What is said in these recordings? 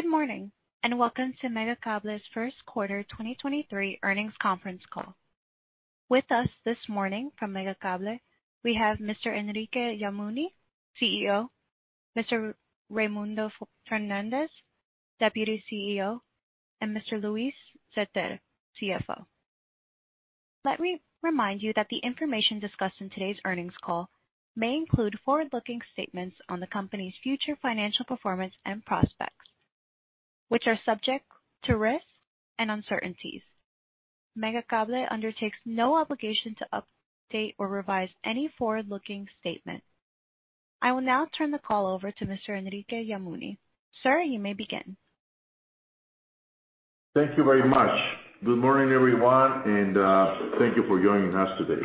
Good morning, and welcome to Megacable's first quarter 2023 earnings conference call. With us this morning from Megacable, we have Mr. Enrique Yamuni, CEO, Mr. Raymundo Fernandez, Deputy CEO, and Mr. Luis Zetter, CFO. Let me remind you that the information discussed in today's earnings call may include forward-looking statements on the company's future financial performance and prospects, which are subject to risks and uncertainties. Megacable undertakes no obligation to update or revise any forward-looking statement. I will now turn the call over to Mr. Enrique Yamuni. Sir, you may begin. Thank you very much. Good morning, everyone, and thank you for joining us today.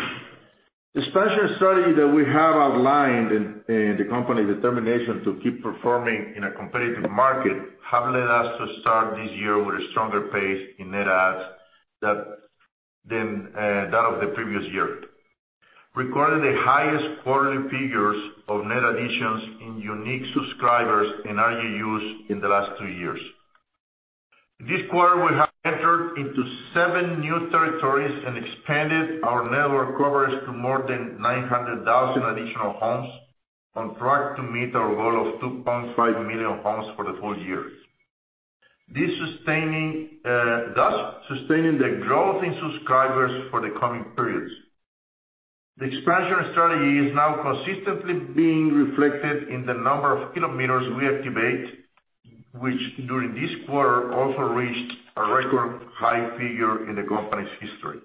The expansion study that we have outlined in, and the company determination to keep performing in a competitive market have led us to start this year with a stronger pace in net adds than that of the previous year, recording the highest quarterly figures of net additions in unique subscribers and ARPUs in the last two years. This quarter, we have entered into seven new territories and expanded our network coverage to more than 900,000 additional homes, on track to meet our goal of 2.5 million homes for the full year. Thus sustaining the growth in subscribers for the coming periods. The expansion strategy is now consistently being reflected in the number of kilometers we activate, which during this quarter also reached a record high figure in the company's history.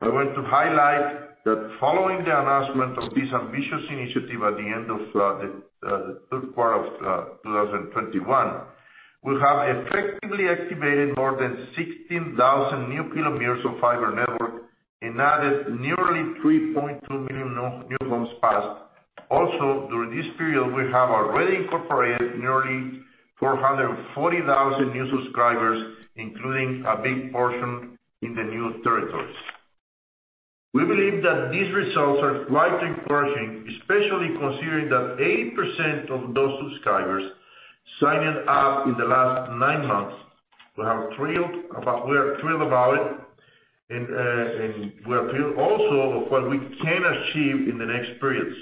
I want to highlight that following the announcement of this ambitious initiative at the end of the third quarter of 2021, we have effectively activated more than 16,000 new kilometers of fiber network and added nearly 3.2 million new homes passed. Also, during this period, we have already incorporated nearly 440,000 new subscribers, including a big portion in the new territories. We believe that these results are quite encouraging, especially considering that 80% of those subscribers signed up in the last 9 months. We are thrilled about it. We are thrilled also of what we can achieve in the next periods.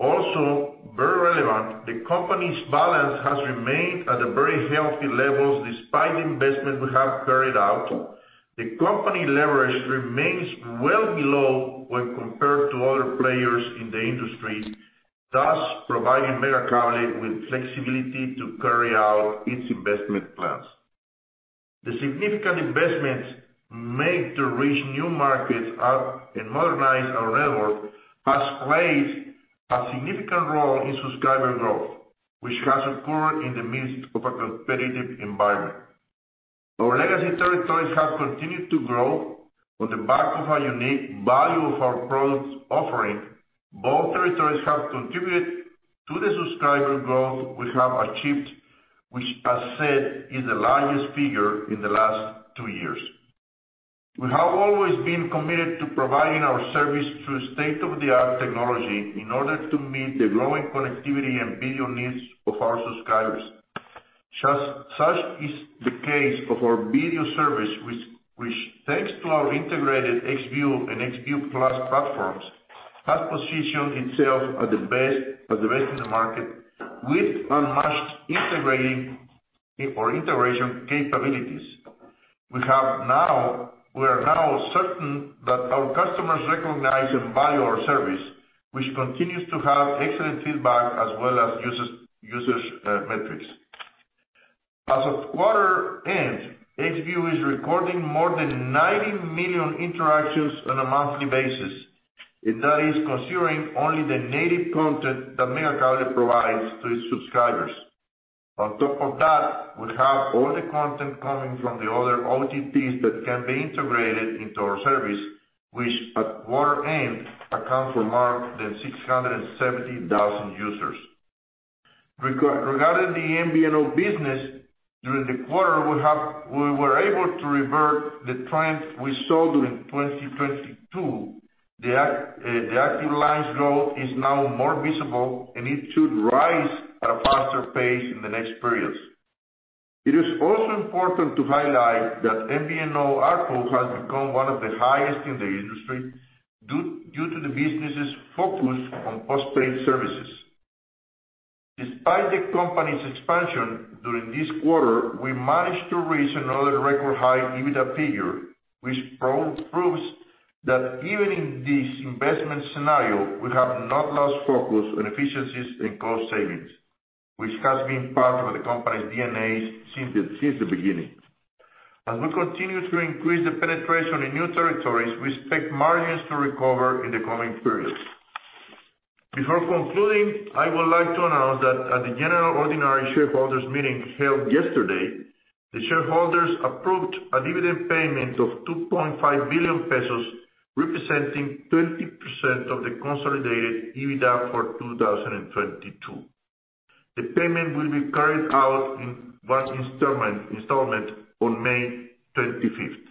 Very relevant, the company's balance has remained at a very healthy level despite the investment we have carried out. The company leverage remains well below when compared to other players in the industry, thus providing Megacable with flexibility to carry out its investment plans. The significant investments made to reach new markets and modernize our network has played a significant role in subscriber growth, which has occurred in the midst of a competitive environment. Our legacy territories have continued to grow on the back of our unique value of our products offering. Both territories have contributed to the subscriber growth we have achieved, which I said is the largest figure in the last two years. We have always been committed to providing our service through state-of-the-art technology in order to meet the growing connectivity and video needs of our subscribers. Such is the case of our video service which takes to our integrated Xview and Xview Plus platforms, has positioned itself at the best in the market with unmatched integrating or integration capabilities. We are now certain that our customers recognize and buy our service, which continues to have excellent feedback as well as users metrics. As of quarter end, Xview is recording more than 90 million interactions on a monthly basis, and that is considering only the native content that Megacable provides to its subscribers. On top of that, we have all the content coming from the other OTTs that can be integrated into our service, which at quarter end accounts for more than 670,000 users. Regarding the MVNO business, during the quarter we were able to revert the trends we saw during 2022. The active lines growth is now more visible, and it should rise at a faster pace in the next periods. It is also important to highlight that MVNO ARPU has become one of the highest in the industry due to the business's focus on post-paid services. Despite the company's expansion during this quarter, we managed to reach another record high EBITDA figure, which proves that even in this investment scenario, we have not lost focus on efficiencies and cost savings, which has been part of the company's DNA since the beginning. As we continue to increase the penetration in new territories, we expect margins to recover in the coming periods. Before concluding, I would like to announce that at the general ordinary shareholders' meeting held yesterday, the shareholders approved a dividend payment of 2.5 billion pesos, representing 30% of the consolidated EBITDA for 2022. The payment will be carried out in one installment on May 25th.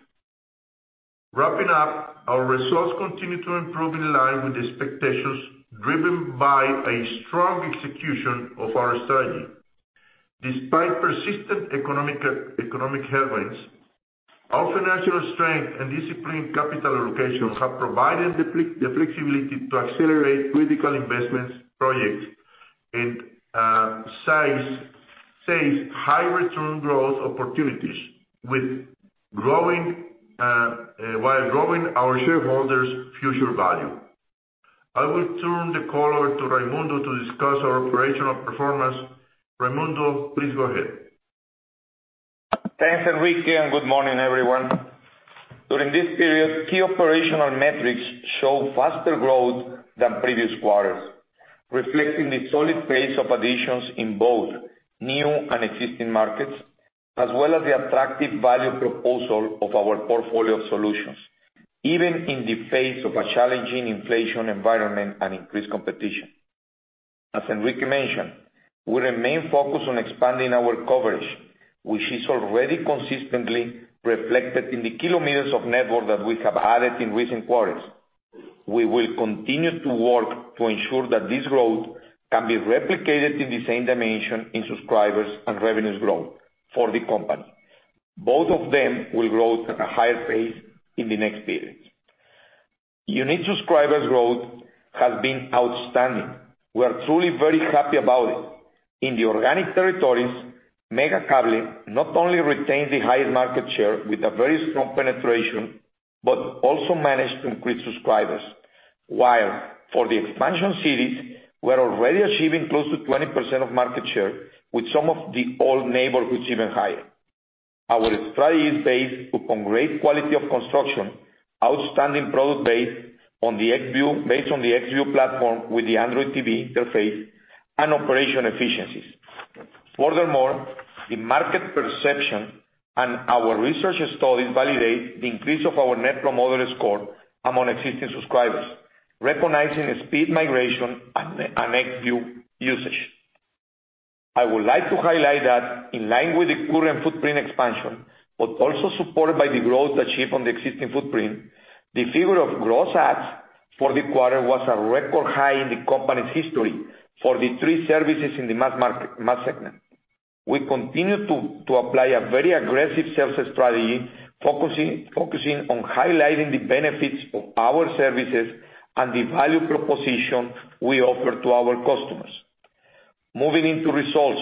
Wrapping up, our results continue to improve in line with expectations, driven by a strong execution of our strategy. Despite persistent economic headwinds, our financial strength and disciplined capital allocation have provided the flexibility to accelerate critical investments projects in size-safe, high return growth opportunities while growing our shareholders' future value. I will turn the call over to Raymundo to discuss our operational performance. Raymundo, please go ahead. Thanks, Enrique, and good morning, everyone. During this period, key operational metrics show faster growth than previous quarters, reflecting the solid pace of additions in both new and existing markets, as well as the attractive value proposal of our portfolio solutions, even in the face of a challenging inflation environment and increased competition. As Enrique mentioned, we remain focused on expanding our coverage, which is already consistently reflected in the kilometers of network that we have added in recent quarters. We will continue to work to ensure that this growth can be replicated in the same dimension in subscribers and revenues growth for the company. Both of them will grow at a higher pace in the next periods. Unique subscribers growth has been outstanding. We are truly very happy about it. In the organic territories, Megacable not only retains the highest market share with a very strong penetration, but also managed to increase subscribers. For the expansion cities, we're already achieving close to 20% of market share with some of the old neighborhoods even higher. Our strategy is based upon great quality of construction, outstanding product based on the Xview platform with the Android TV interface and operation efficiencies. The market perception and our research studies validate the increase of our Net Promoter Score among existing subscribers, recognizing speed migration and Xview usage. I would like to highlight that in line with the current footprint expansion, but also supported by the growth achieved on the existing footprint, the figure of gross adds for the quarter was a record high in the company's history for the three services in the mass market, mass segment. We continue to apply a very aggressive sales strategy, focusing on highlighting the benefits of our services and the value proposition we offer to our customers. Moving into results.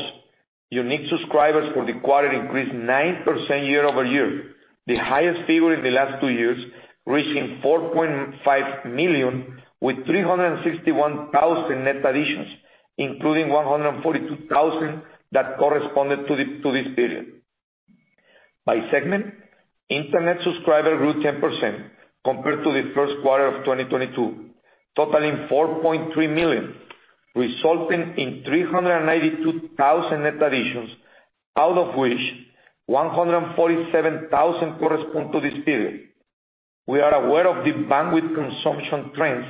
Unique subscribers for the quarter increased 9% year-over-year, the highest figure in the last two years, reaching 4.5 million with 361,000 net additions, including 142,000 that corresponded to this period. By segment, Internet subscriber grew 10% compared to the first quarter of 2022, totaling 4.3 million, resulting in 392,000 net additions, out of which 147,000 correspond to this period. We are aware of the bandwidth consumption trends,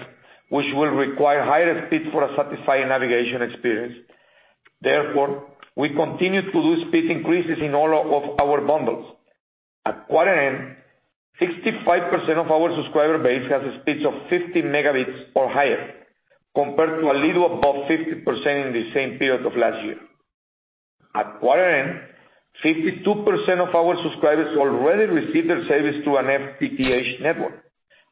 which will require higher speeds for a satisfying navigation experience. Therefore, we continue to do speed increases in all of our bundles. At quarter end, 65% of our subscriber base has a speed of 50 megabits or higher, compared to a little above 50% in the same period of last year. At quarter end, 52% of our subscribers already receive their service through an FTTH network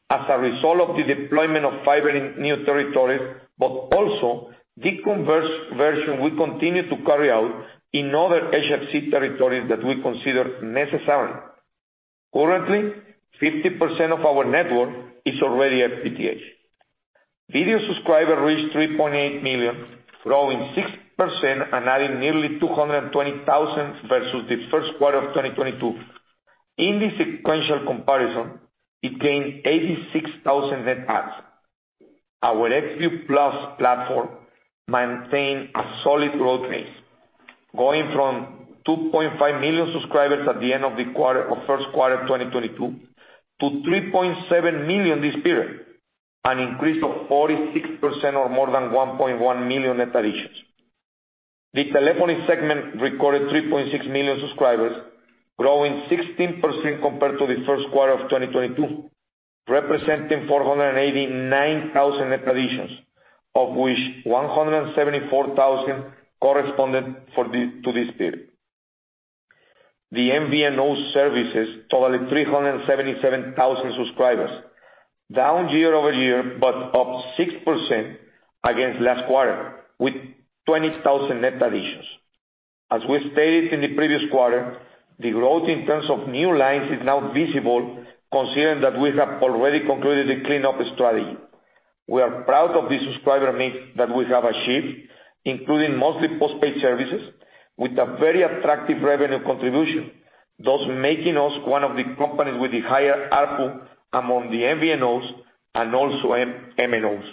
as a result of the deployment of fiber in new territories, but also the converse version we continue to carry out in other HFC territories that we consider necessary. Currently, 50% of our network is already FTTH. Video subscribers reached 3.8 million, growing 6% and adding nearly 220,000 versus the first quarter of 2022. In the sequential comparison, it gained 86,000 net adds. Our Xview Plus platform maintained a solid growth pace, going from 2.5 million subscribers at the end of the first quarter 2022 to 3.7 million this period, an increase of 46% or more than 1.1 million net additions. The telephony segment recorded 3.6 million subscribers, growing 16% compared to the first quarter of 2022, representing 489,000 net additions, of which 174,000 corresponded to this period. The MVNO services totaled 377,000 subscribers, down year over year, but up 6% against last quarter with 20,000 net additions. As we stated in the previous quarter, the growth in terms of new lines is now visible considering that we have already concluded the cleanup strategy. We are proud of the subscriber mix that we have achieved, including mostly postpaid services with a very attractive revenue contribution, thus making us one of the companies with the higher ARPU among the MVNOs and also MNOs.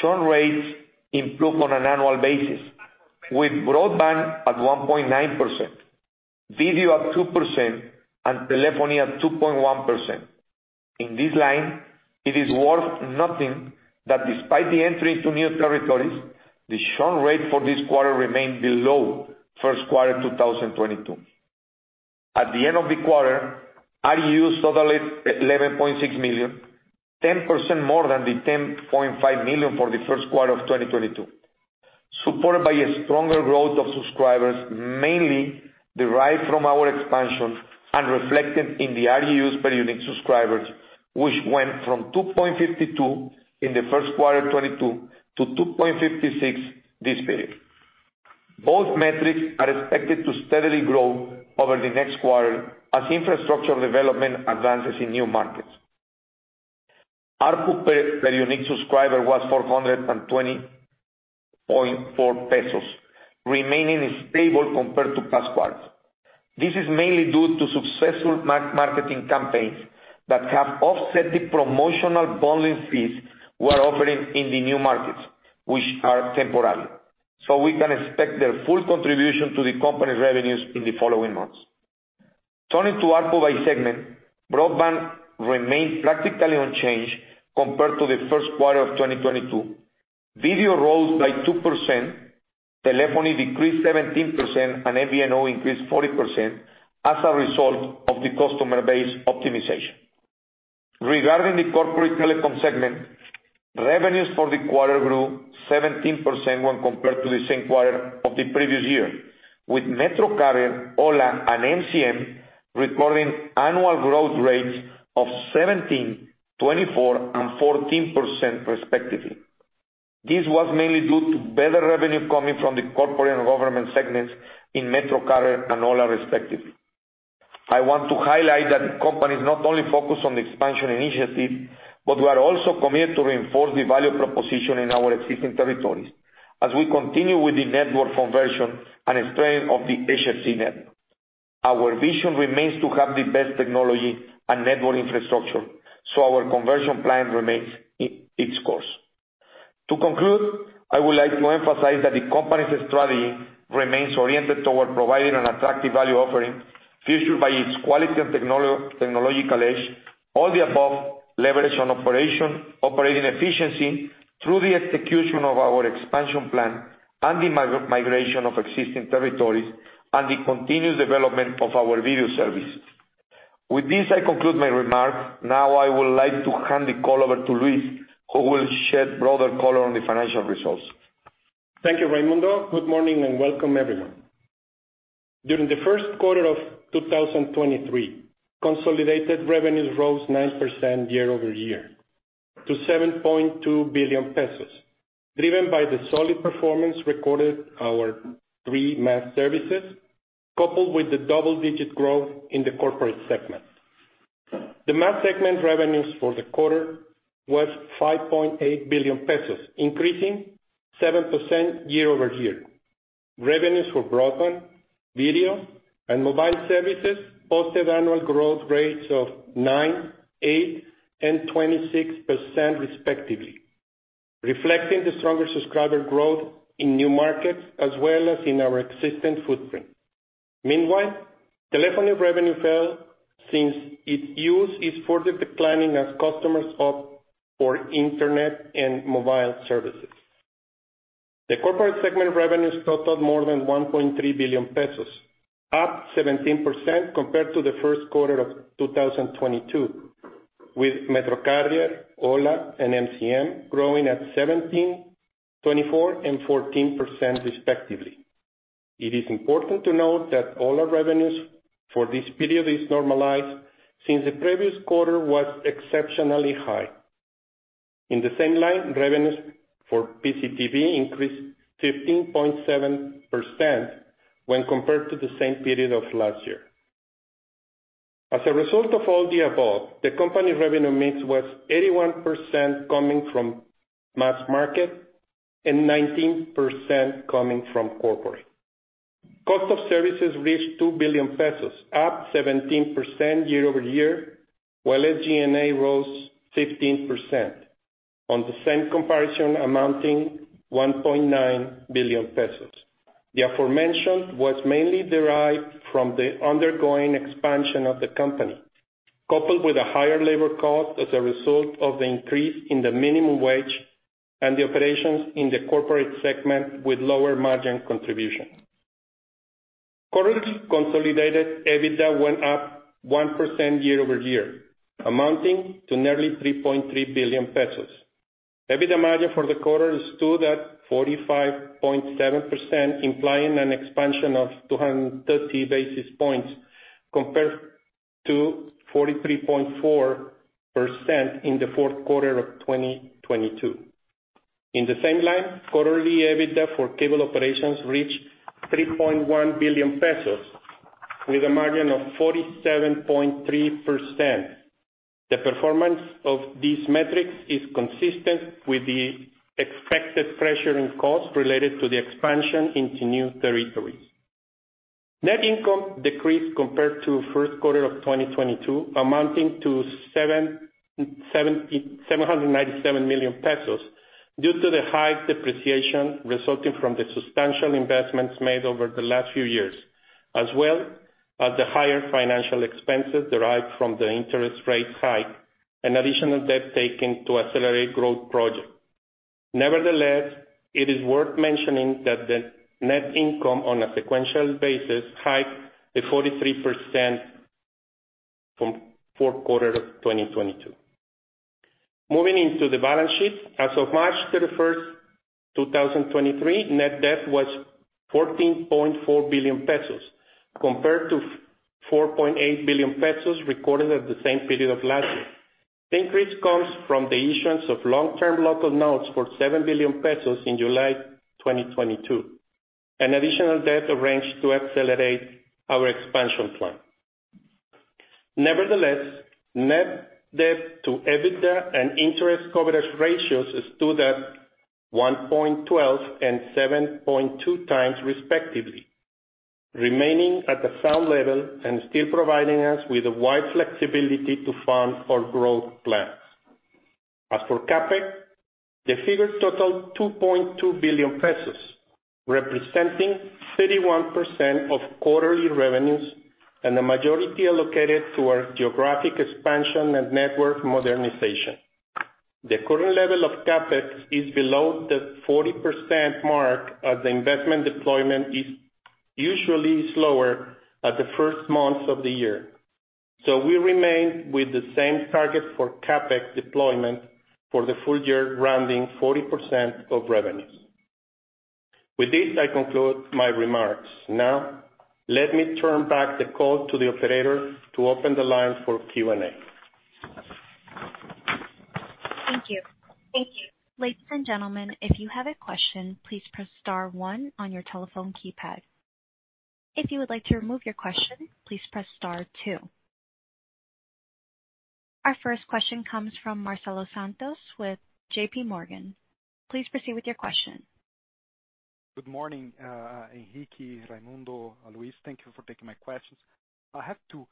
Churn rates improved on an annual basis with broadband at 1.9%, video at 2%, and telephony at 2.1%. In this line, it is worth noting that despite the entry to new territories, the churn rate for this quarter remained below first quarter 2022. At the end of the quarter, ARPU used totally 11.6 million, 10% more than the 10.5 million for the first quarter of 2022, supported by a stronger growth of subscribers mainly derived from our expansion and reflected in the ARPU used per unique subscribers, which went from 2.52 in the first quarter of 2022 to 2.56 this period. Both metrics are expected to steadily grow over the next quarter as infrastructure development advances in new markets. ARPU per unique subscriber was 420.4 pesos, remaining stable compared to past quarters. This is mainly due to successful marketing campaigns that have offset the promotional bundling fees we are offering in the new markets, which are temporary, we can expect their full contribution to the company's revenues in the following months. Turning to ARPU by segment, broadband remained practically unchanged compared to the first quarter of 2022. Video rose by 2%, telephony decreased 17%, and MVNO increased 40% as a result of the customer base optimization. Regarding the corporate telecom segment, revenues for the quarter grew 17% when compared to the same quarter of the previous year, with MetroCarrier, ho1a, and MCM recording annual growth rates of 17%, 24%, and 14% respectively. This was mainly due to better revenue coming from the corporate and government segments in MetroCarrier and ho1a respectively. I want to highlight that the company is not only focused on the expansion initiative, but we are also committed to reinforce the value proposition in our existing territories as we continue with the network conversion and expansion of the HFC network. Our vision remains to have the best technology and network infrastructure, so our conversion plan remains in course. To conclude, I would like to emphasize that the company's strategy remains oriented toward providing an attractive value offering featured by its quality and technological edge, all the above leverage on operating efficiency through the execution of our expansion plan and the migration of existing territories and the continued development of our video service. With this, I conclude my remarks. Now I would like to hand the call over to Luis, who will shed broader color on the financial results. Thank you, Raymundo. Good morning, welcome everyone. During the first quarter of 2023, consolidated revenues rose 9% year-over-year to 7.2 billion pesos, driven by the solid performance recorded our 3 mass services, coupled with the double-digit growth in the corporate segment. The mass segment revenues for the quarter was 5.8 billion pesos, increasing 7% year-over-year. Revenues for broadband, video, and mobile services posted annual growth rates of 9, 8, and 26% respectively, reflecting the stronger subscriber growth in new markets as well as in our existing footprint. Meanwhile, telephony revenue fell since its use is further declining as customers opt for internet and mobile services. The corporate segment revenues totaled more than 1.3 billion pesos, up 17% compared to the first quarter of 2022, with MetroCarrier, ho1a, and MCM growing at 17%, 24%, and 14% respectively. It is important to note that all our revenues for this period is normalized since the previous quarter was exceptionally high. In the same line, revenues for PCTV increased 15.7% when compared to the same period of last year. As a result of all the above, the company revenue mix was 81% coming from mass market and 19% coming from corporate. Cost of services reached 2 billion pesos, up 17% year-over-year, while SG&A rose 15% on the same comparison amounting 1.9 billion pesos. The aforementioned was mainly derived from the undergoing expansion of the company, coupled with a higher labor cost as a result of the increase in the minimum wage and the operations in the corporate segment with lower margin contribution. Quarterly consolidated EBITDA went up 1% year-over-year, amounting to nearly 3.3 billion pesos. EBITDA margin for the quarter stood at 45.7%, implying an expansion of 230 basis points compared to 43.4% in the fourth quarter of 2022. In the same line, quarterly EBITDA for cable operations reached 3.1 billion pesos with a margin of 47.3%. The performance of these metrics is consistent with the expected pressure in cost related to the expansion into new territories. Net income decreased compared to first quarter of 2022, amounting to 797 million pesos due to the high depreciation resulting from the substantial investments made over the last few years. As well as the higher financial expenses derived from the interest rate hike and additional debt taking to accelerate growth project. It is worth mentioning that the net income on a sequential basis hiked a 43% from fourth quarter of 2022. Moving into the balance sheet. As of March 31st, 2023, net debt was 14.4 billion pesos, compared to 4.8 billion pesos recorded at the same period of last year. The increase comes from the issuance of long-term local notes for 7 billion pesos in July 2022. Additional debt arranged to accelerate our expansion plan. Net debt to EBITDA and interest coverage ratios stood at 1.12 and 7.2 times respectively, remaining at the same level and still providing us with a wide flexibility to fund our growth plans. As for CapEx, the figures total 2.2 billion pesos, representing 31% of quarterly revenues, and the majority allocated to our geographic expansion and network modernization. The current level of CapEx is below the 40% mark, as the investment deployment is usually slower at the first months of the year. We remain with the same target for CapEx deployment for the full year, rounding 40% of revenues. With this, I conclude my remarks. Let me turn back the call to the operator to open the line for Q&A. Thank you. Thank you. Ladies and gentlemen, if you have a question, please press star 1 on your telephone keypad. If you would like to remove your question, please press star 2. Our first question comes from Marcelo Santos with JP Morgan. Please proceed with your question. Good morning, Enrique, Raymundo, Luis. Thank you for taking my questions. I have two.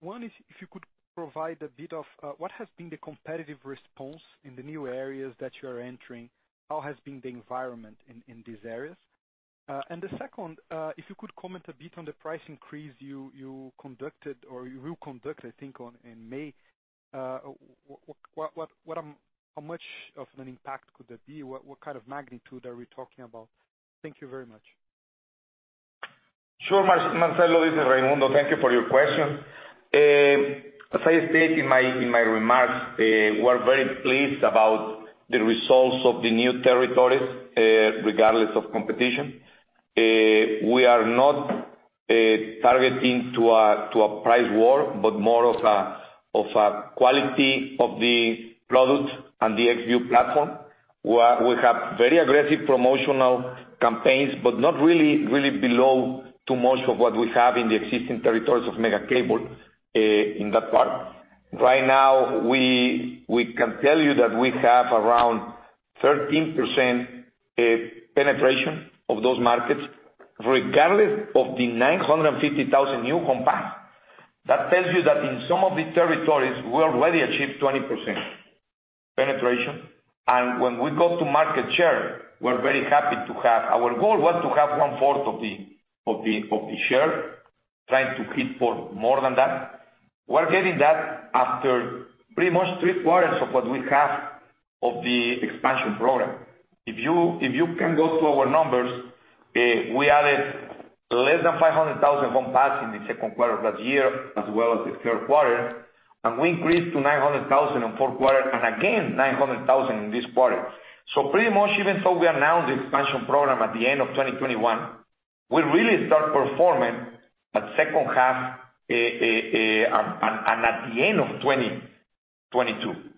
One is if you could provide a bit of what has been the competitive response in the new areas that you are entering? How has been the environment in these areas? And the second, if you could comment a bit on the price increase you conducted or you will conduct, I think on, in May. What, what, how much of an impact could that be? What, what kind of magnitude are we talking about? Thank you very much. Sure, Marcelo. This is Raymundo. Thank you for your question. As I stated in my remarks, we're very pleased about the results of the new territories regardless of competition. We are not targeting to a price war, but more of a quality of the product and the Xview platform. We have very aggressive promotional campaigns, but not really below to most of what we have in the existing territories of Megacable in that part. Right now, we can tell you that we have around 13% penetration of those markets regardless of the 950,000 new home pass. That tells you that in some of these territories, we already achieved 20% penetration. When we go to market share, we're very happy to have. Our goal was to have 1/4 of the share, trying to hit for more than that. We're getting that after pretty much 3/4 of what we have of the expansion program. If you can go through our numbers, we added less than 500,000 home pass in the second quarter of that year as well as the third quarter, and we increased to 900,000 in fourth quarter and again 900,000 in this quarter. Pretty much even so we announced the expansion program at the end of 2021, we really start performing at second half and at the end of 2022.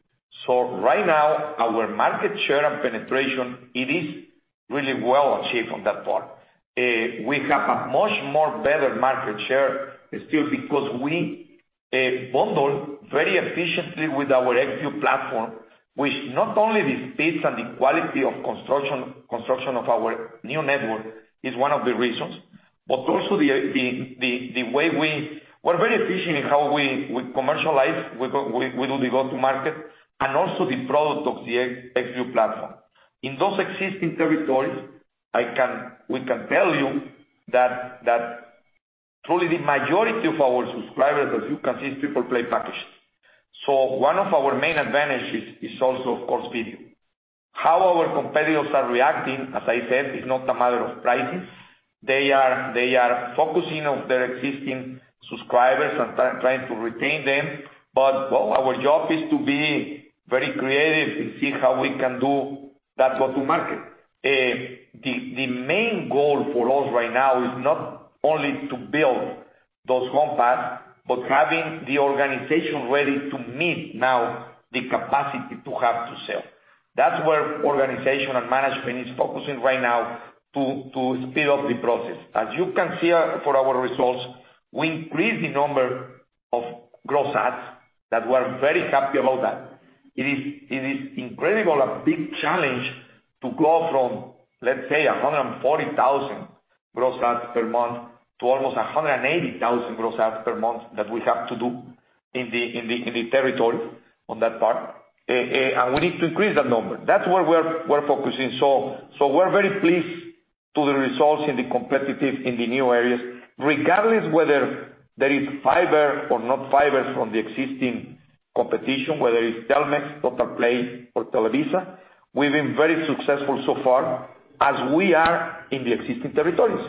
Right now our market share and penetration, it is really well achieved on that part. We have a much more better market share still because we bundle very efficiently with our Xview platform, which not only the speed and the quality of construction of our new network is one of the reasons, but also the way we're very efficient in how we commercialize, we do the go-to-market, and also the product of the Xview platform. In those existing territories, we can tell you that truly the majority of our subscribers, as you can see, is triple play packages. One of our main advantages is also, of course, video. How our competitors are reacting, as I said, is not a matter of pricing. They are focusing on their existing subscribers and trying to retain them, but our job is to be very creative to see how we can do that go-to-market. The main goal for us right now is not only to build those home pass, but having the organization ready to meet now the capacity to have to sell. That's where organization and management is focusing right now to speed up the process. As you can see for our results, we increased the number of gross adds, that we're very happy about that. It is incredible a big challenge to go from, let's say, 140,000 gross adds per month to almost 180,000 gross adds per month that we have to do. In the territory on that part. We need to increase that number. That's where we're focusing. We're very pleased to the results in the competitive, in the new areas, regardless whether there is fiber or not fiber from the existing competition, whether it's Telmex, Totalplay or Televisa, we've been very successful so far as we are in the existing territories.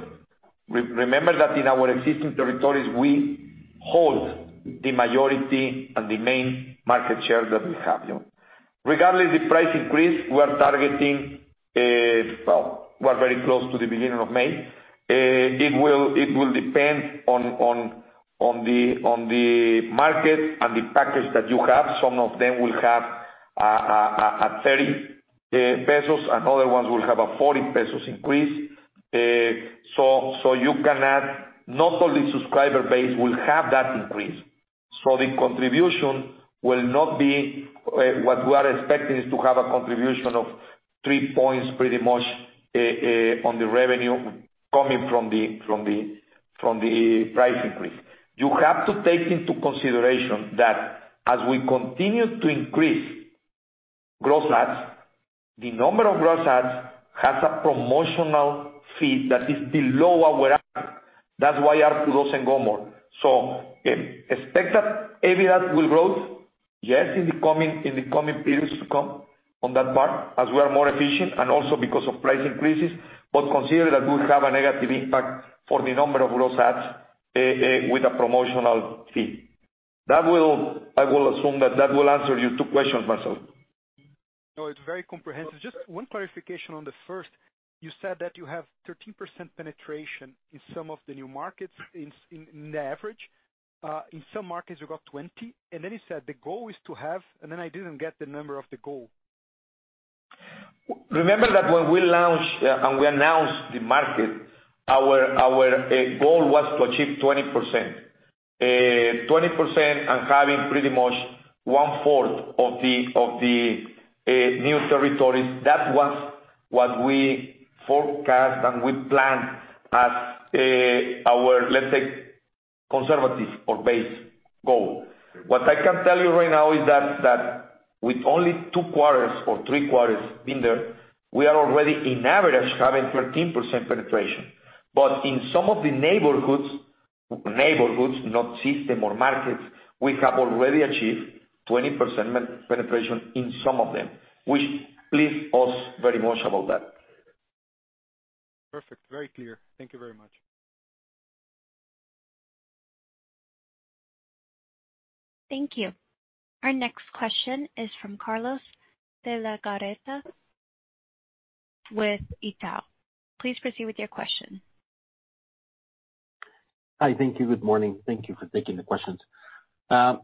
Remember that in our existing territories, we hold the majority and the main market share that we have, you know. Regardless the price increase we are targeting, well, we're very close to the beginning of May. It will depend on the market and the package that you have. Some of them will have 30 pesos, and other ones will have a 40 pesos increase. You can add not only subscriber base will have that increase. The contribution will not be. What we are expecting is to have a contribution of three points pretty much on the revenue coming from the price increase. You have to take into consideration that as we continue to increase gross adds, the number of gross adds has a promotional fee that is below our average. That's why our gross and go more. Expect that ARPU will grow, yes, in the coming, in the coming periods to come on that part as we are more efficient and also because of price increases. Consider that we have a negative impact for the number of gross adds with a promotional fee. I will assume that that will answer your two questions, Marcel. It's very comprehensive. Just one clarification on the first. You said that you have 13% penetration in some of the new markets in the average. In some markets you got 20. You said the goal is to have... I didn't get the number of the goal. Remember that when we launched and we announced the market, our goal was to achieve 20% and having pretty much one-fourth of the new territories. That was what we forecast and we planned as our, let's say conservative or base goal. What I can tell you right now is that with only 2 quarters or 3 quarters in there, we are already in average having 13% penetration. But in some of the neighborhoods, not system or markets, we have already achieved 20% penetration in some of them, which pleased us very much about that. Perfect. Very clear. Thank you very much. Thank you. Our next question is from Carlos de Legarreta with Itaú. Please proceed with your question. Hi. Thank you. Good morning. Thank you for taking the questions. I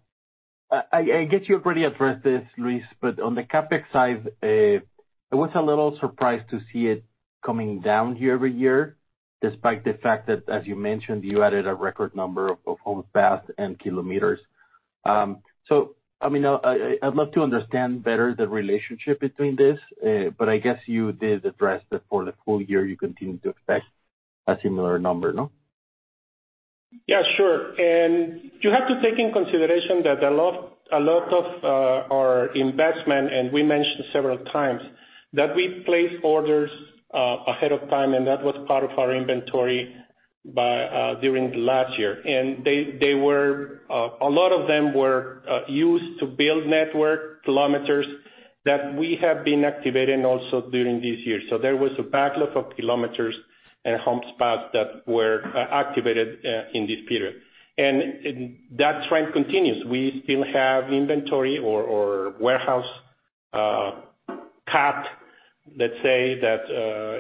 guess you already addressed this, Luis, but on the CapEx side, I was a little surprised to see it coming down year-over-year, despite the fact that, as you mentioned, you added a record number of home passed and kilometers. I mean, I'd love to understand better the relationship between this, but I guess you did address that for the full year you continue to expect a similar number, no? Yeah, sure. You have to take in consideration that a lot of our investment, and we mentioned several times, that we place orders ahead of time, and that was part of our inventory during the last year. They were a lot of them were used to build network kilometers that we have been activating also during this year. There was a backlog of kilometers and home spots that were activated in this period. That trend continues. We still have inventory or warehouse CapEx, let's say that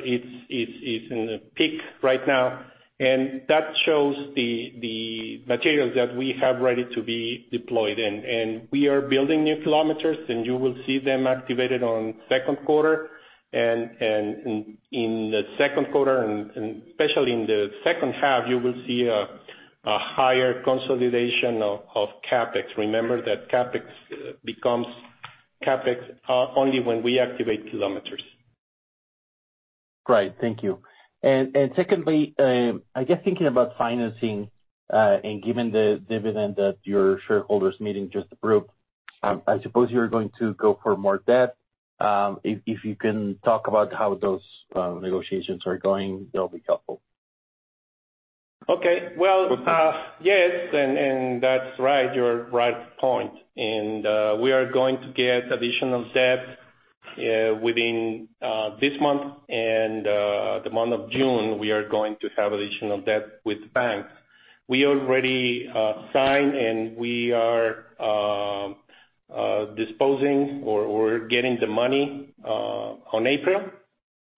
it's in the peak right now. That shows the materials that we have ready to be deployed. We are building new kilometers, and you will see them activated on second quarter. In the second quarter and especially in the second half, you will see a higher consolidation of CapEx. Remember that CapEx becomes CapEx only when we activate kilometers. Great. Thank you. Secondly, I guess thinking about financing, and given the dividend that your shareholders meeting just approved, I suppose you're going to go for more debt. If you can talk about how those negotiations are going, that'll be helpful. Okay. Well, yes, and that's right. You're right point. We are going to get additional debt within this month and the month of June. We are going to have additional debt with banks. We already signed, and we are disposing or getting the money on April.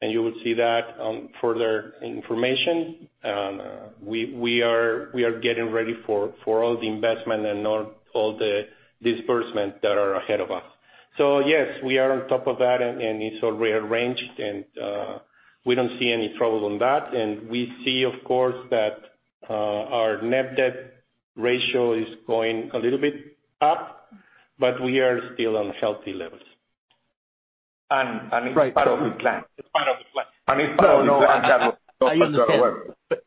You will see that on further information. We are getting ready for all the investment and all the disbursement that are ahead of us. Yes, we are on top of that, and it's all rearranged. We don't see any trouble on that. We see of course that our net debt ratio is going a little bit up, but we are still on healthy levels. It's part of the plan. It's part of the plan. It's part of the plan. No, no, I'm sure. No, but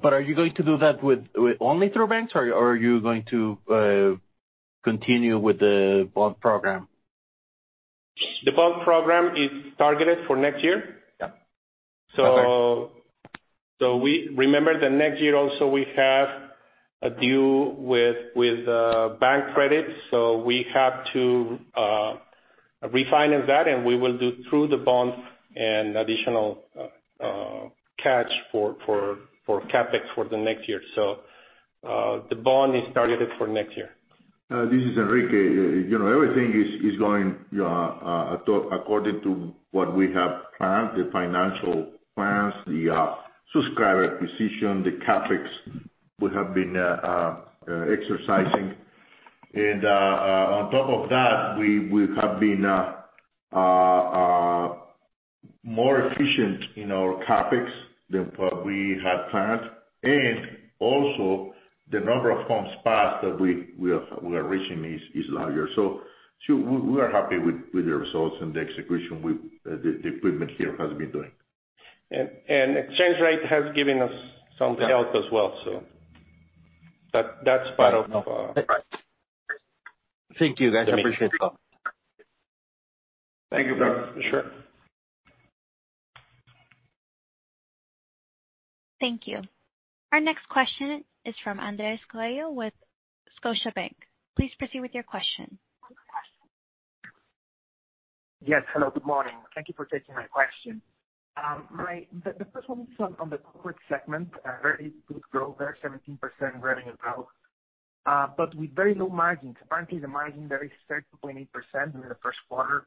whatever. Are you going to do that with only through banks or are you going to continue with the bond program? The bond program is targeted for next year. Yeah. Okay. We Remember that next year also we have a due with bank credits, so we have to refinance that and we will do through the bonds an additional catch for CapEx for the next year. The bond is targeted for next year. This is Enrique. You know, everything is going according to what we have planned, the financial plans, the subscriber acquisition, the CapEx we have been exercising. On top of that we have been more efficient in our CapEx than what we have planned. Also the number of homes passed that we are reaching is larger. We are happy with the results and the execution with the equipment here has been doing. Exchange rate has given us some help as well, so. That's part of. Thank you guys. I appreciate the call. Thank you. Thank you. Thank you. Our next question is from Andres Coello with Scotiabank. Please proceed with your question. Yes. Hello, good morning. Thank you for taking my question. The first one is on the corporate segment. Very good growth there, 17% revenue growth, but with very low margins. Apparently, the margin there is 3.8% within the first quarter.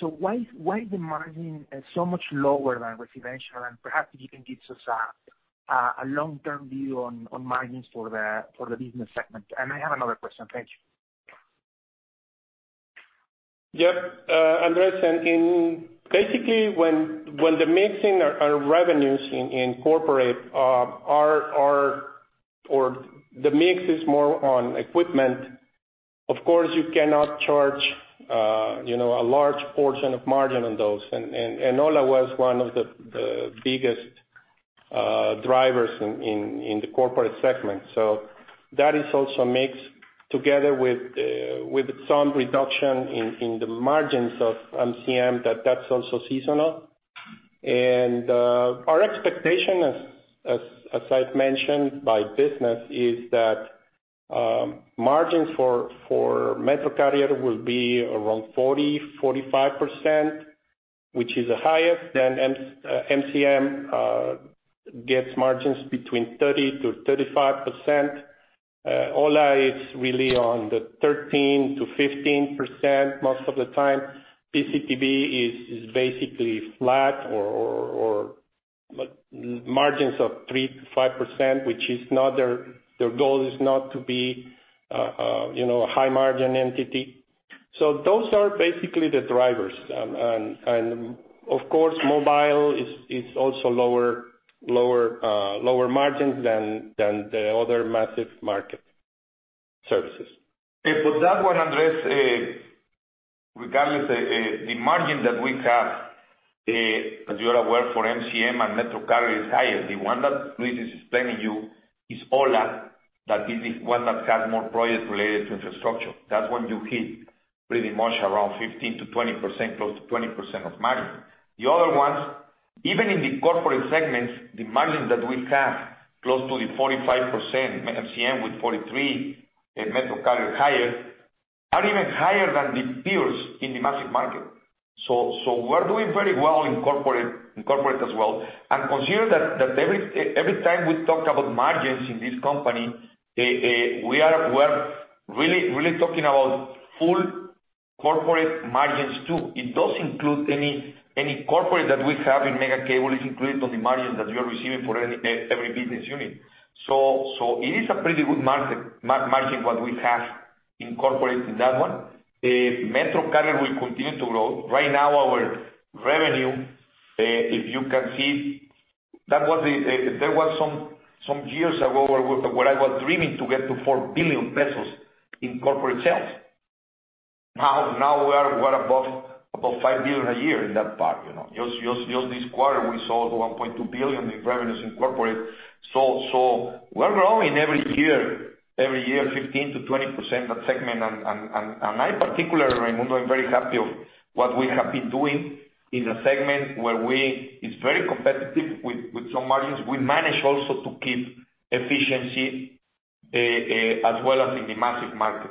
Why is the margin so much lower than with Eventional and perhaps you can give us a long-term view on margins for the business segment? I have another question. Thank you. Yeah. Andres, Basically, when the mixing our revenues in corporate or the mix is more on equipment, of course you cannot charge, you know, a large portion of margin on those and ho1a was one of the biggest drivers in the corporate segment. That is also mixed together with some reduction in the margins of MCM that's also seasonal. Our expectation as I've mentioned by business is that margin for MetroCarrier will be around 40-45%, which is the highest than MCM gets margins between 30-35%. ho1a is really on the 13-15% most of the time. PCTB is basically flat or margins of 3%-5%, which is not their goal is not to be, you know, a high margin entity. Those are basically the drivers. Of course, mobile is also lower margins than the other massive market services. For that one, Andres, regardless the margin that we have, as you are aware for MCM and MetroCarrier is higher. The one that Luis is explaining to you is ho1a, that is the one that has more projects related to infrastructure. That's when you hit pretty much around 15%-20%, close to 20% of margin. The other ones, even in the corporate segments, the margin that we have close to the 45% MCM with 43%, and MetroCarrier higher, are even higher than the peers in the massive market. We're doing very well in corporate, in corporate as well. Consider that every time we talk about margins in this company, we are really talking about full corporate margins too. It does include any corporate that we have in Megacable is included on the margins that you are receiving for any, every business unit. It is a pretty good market margin what we have incorporated in that one. MetroCarrier will continue to grow. Right now our revenue, if you can see that was some years ago where I was dreaming to get to 4 billion pesos in corporate sales. We are above 5 billion a year in that part, you know. Just this quarter we sold 1.2 billion in revenues in corporate. We're growing every year 15%-20% that segment and I particularly, Raymundo, I'm very happy of what we have been doing in the segment where it's very competitive with some margins. We manage also to keep efficiency as well as in the massive market.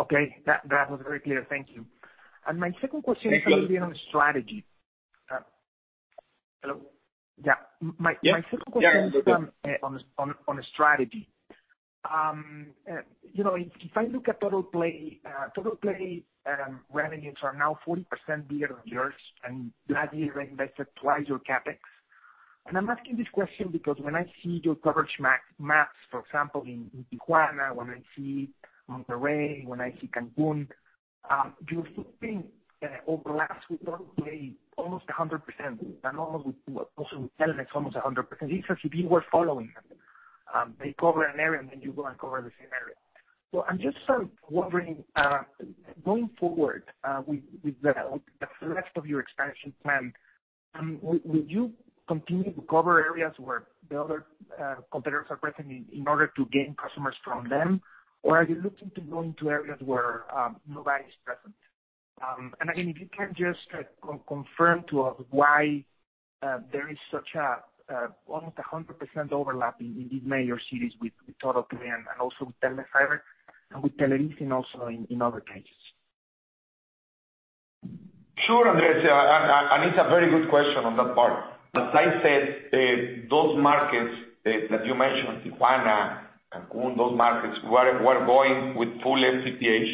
Okay. That was very clear. Thank you. My second question is going to be on strategy. Thank you. Hello? Yeah. Yeah. My second question is on strategy. you know, if I look at Totalplay revenues are now 40% bigger than yours, and last year they invested twice your CapEx. I'm asking this question because when I see your coverage maps, for example, in Tijuana, when I see Monterrey, when I see Cancun, you're flipping overlaps with Totalplay almost 100%. also with Telmex almost 100%. It's as if you were following them. They cover an area, and then you go and cover the same area. I'm just wondering, going forward, with the rest of your expansion plan, would you continue to cover areas where the other competitors are present in order to gain customers from them? Are you looking to go into areas where nobody is present? Again, if you can just confirm to us why there is such a almost 100% overlap in these major cities with Totalplay and also with Telmex fiber and with Televisa also in other cases. Sure, Andres. It's a very good question on that part. As I said, those markets that you mentioned, Tijuana and Cancún, those markets, we're going with full FTTH,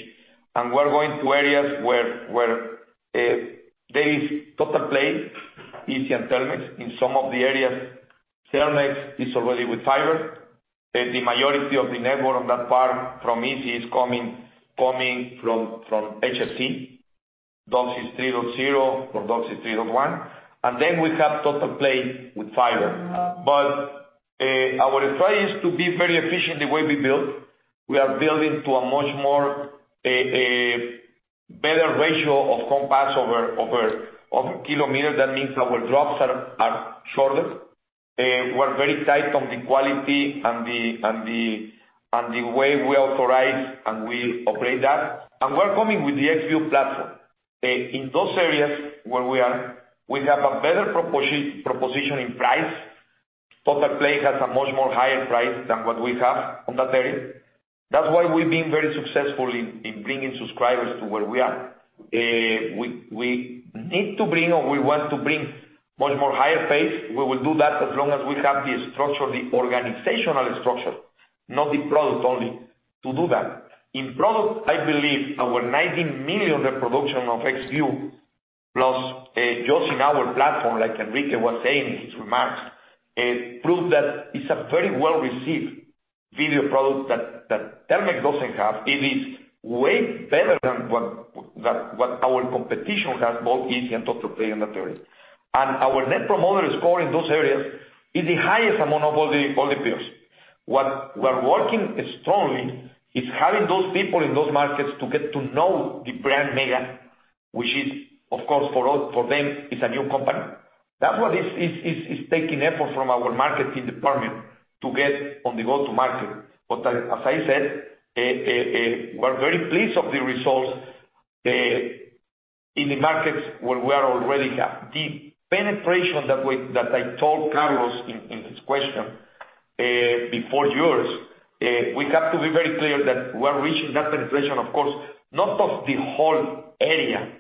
and we're going to areas where there is Totalplay, izzi and Telmex. In some of the areas, Telmex is already with fiber. The majority of the network on that part from izzi is coming from HFC. DOCSIS 3.0 or DOCSIS 3.1. We have Totalplay with fiber. Our strategy is to be very efficient the way we build. We are building to a much more better ratio of compass over kilometer. That means our drops are shorter. We're very tight on the quality and the way we authorize and we operate that. We're coming with the Xview platform. In those areas where we are, we have a better proposition in price. Totalplay has a much more higher price than what we have on that area. That's why we've been very successful in bringing subscribers to where we are. We need to bring or we want to bring much more higher pace. We will do that as long as we have the structure, the organizational structure, not the product only to do that. In product, I believe our 19 million reproduction of Xview Plus, just in our platform, like Enrique was saying in his remarks, it proves that it's a very well-received video product that Telmex doesn't have. It is way better than what our competition has, both izzi and Totalplay in that area. Our Net Promoter Score in those areas is the highest among all the peers. What we're working strongly is having those people in those markets to get to know the brand Mega, which is, of course, for us, for them, is a new company. That's what is taking effort from our marketing department to get on the go-to-market. As, as I said, we're very pleased of the results in the markets where we are already have. The penetration that I told Carlos in his question before yours, we have to be very clear that we're reaching that penetration, of course, not of the whole area,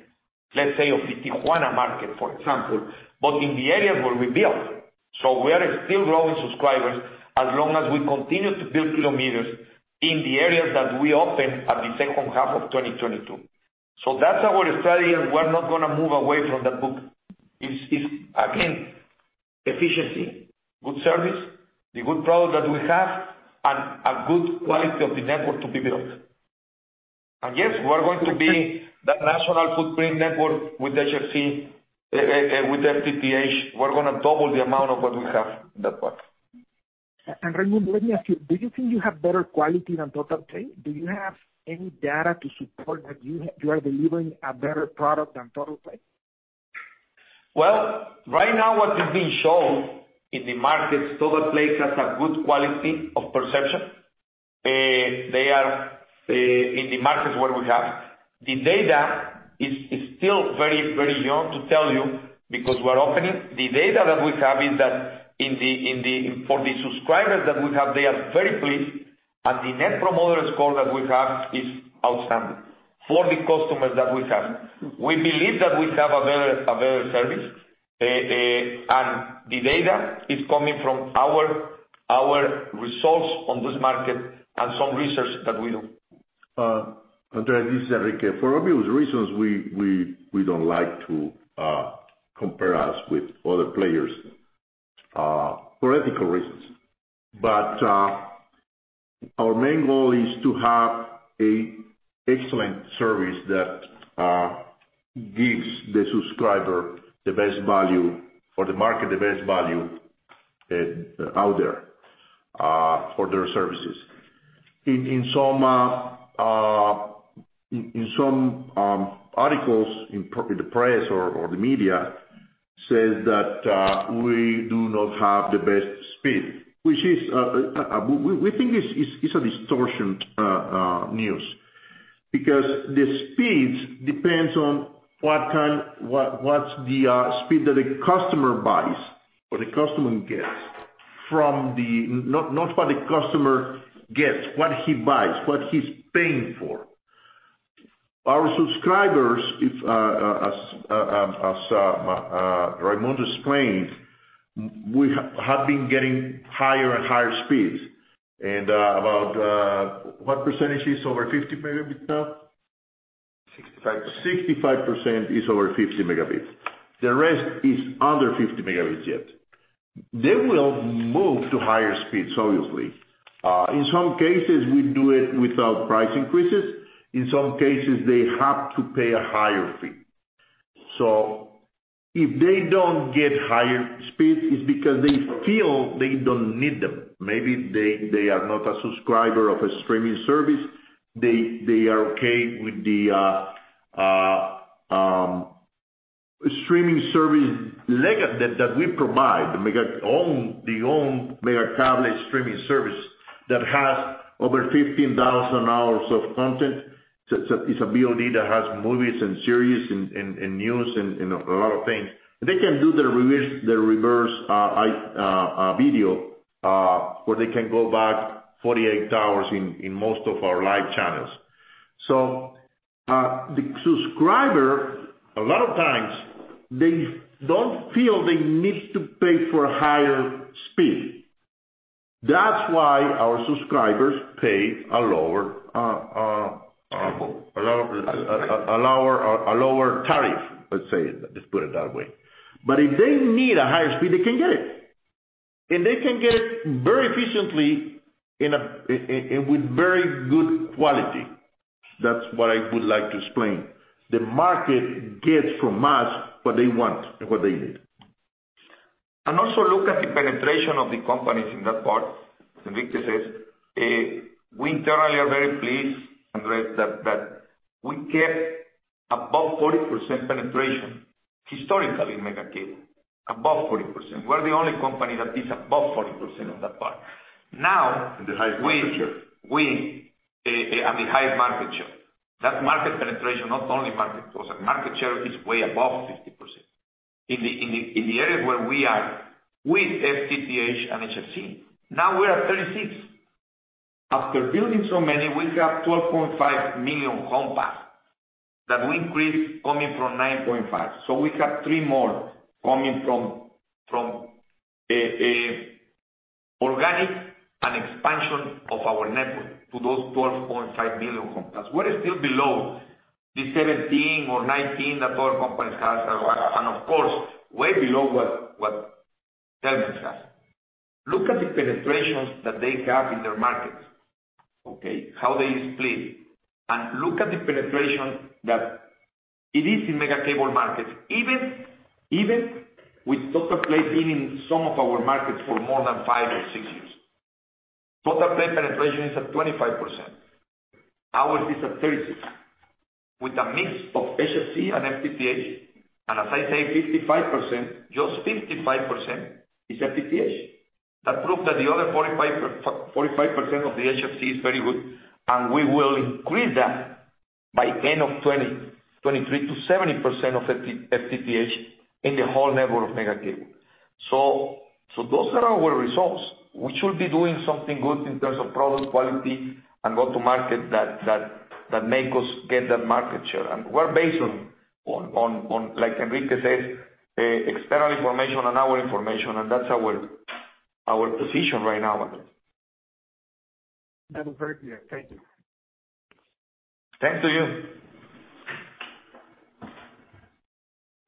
let's say of the Tijuana market, for example, but in the areas where we build. We are still growing subscribers as long as we continue to build kilometers in the areas that we open at the second half of 2022. That's our strategy, and we're not gonna move away from that book. It's again, efficiency, good service, the good product that we have and a good quality of the network to be built. Yes, we're going to be that national footprint network with HFC with FTTH. We're gonna double the amount of what we have in that part. Raymond, let me ask you, do you think you have better quality than Totalplay? Do you have any data to support that you are delivering a better product than Totalplay? Right now what is being shown in the markets, Totalplay has a good quality of perception. They are in the markets where we have. The data is still very, very young to tell you because we're opening. The data that we have is that in the for the subscribers that we have, they are very pleased. The Net Promoter Score that we have is outstanding for the customers that we have. We believe that we have a better service. The data is coming from our results on this market and some research that we do. Andres, this is Enrique. For obvious reasons, we don't like to compare us with other players, for ethical reasons. Our main goal is to have a excellent service that gives the subscriber the best value for the market, the best value out there, for their services. In, in some articles in the press or the media says that we do not have the best speed, which is we think it's, it's a distortion news. Because the speeds depends on what's the speed that the customer buys or the customer gets. Not what the customer gets, what he buys, what he's paying for. Our subscribers, if, as Raymundo explains, we have been getting higher and higher speeds. About, what percentage is over 50 megabits now? 65%. 65% is over 50 megabits. The rest is under 50 megabits yet. They will move to higher speeds, obviously. In some cases, we do it without price increases. In some cases, they have to pay a higher fee. If they don't get higher speeds, it's because they feel they don't need them. Maybe they are not a subscriber of a streaming service. They are okay with the streaming service that we provide. The own Megacable streaming service that has over 15,000 hours of content. It's a VOD that has movies and series and news and a lot of things. They can do the reverse video where they can go back 48 hours in most of our live channels. The subscriber, a lot of times, they don't feel they need to pay for higher speed. That's why our subscribers pay a lower. Cable. A lower tariff, let's say, let's put it that way. If they need a higher speed, they can get it. They can get it very efficiently and with very good quality. That's what I would like to explain. The market gets from us what they want and what they need. Also look at the penetration of the companies in that part, as Enrique says. We internally are very pleased, Andres, that we get above 40% penetration historically in Megacable, above 40%. We're the only company that is above 40% on that part. The highest market share. The highest market share. That market penetration, not only market share, market share is way above 50%. In the areas where we are with FTTH and HFC, now we're at 36. After building so many, we have 12.5 million home passed that we increased coming from 9.5. We have 3 more coming from organic and expansion of our network to those 12.5 million home passed. We're still below the 17 or 19 that our company has, of course, way below what Telmex has. Look at the penetrations that they have in their markets, okay? How they split. Look at the penetration that it is in Megacable markets, even with Totalplay being in some of our markets for more than 5 or 6 years. Totalplay penetration is at 25%. Ours is at 36 with a mix of HFC and FTTH. As I say, 55%, just 55% is FTTH. That proves that the other 45% of the HFC is very good, and we will increase that by end of 2023 to 70% of FTTH in the whole network of Megacable. Those are our results. We should be doing something good in terms of product quality and go to market that make us get that market share. We're based on like Enrique says, external information and our information, and that's our position right now. That's very clear. Thank you. Thanks to you.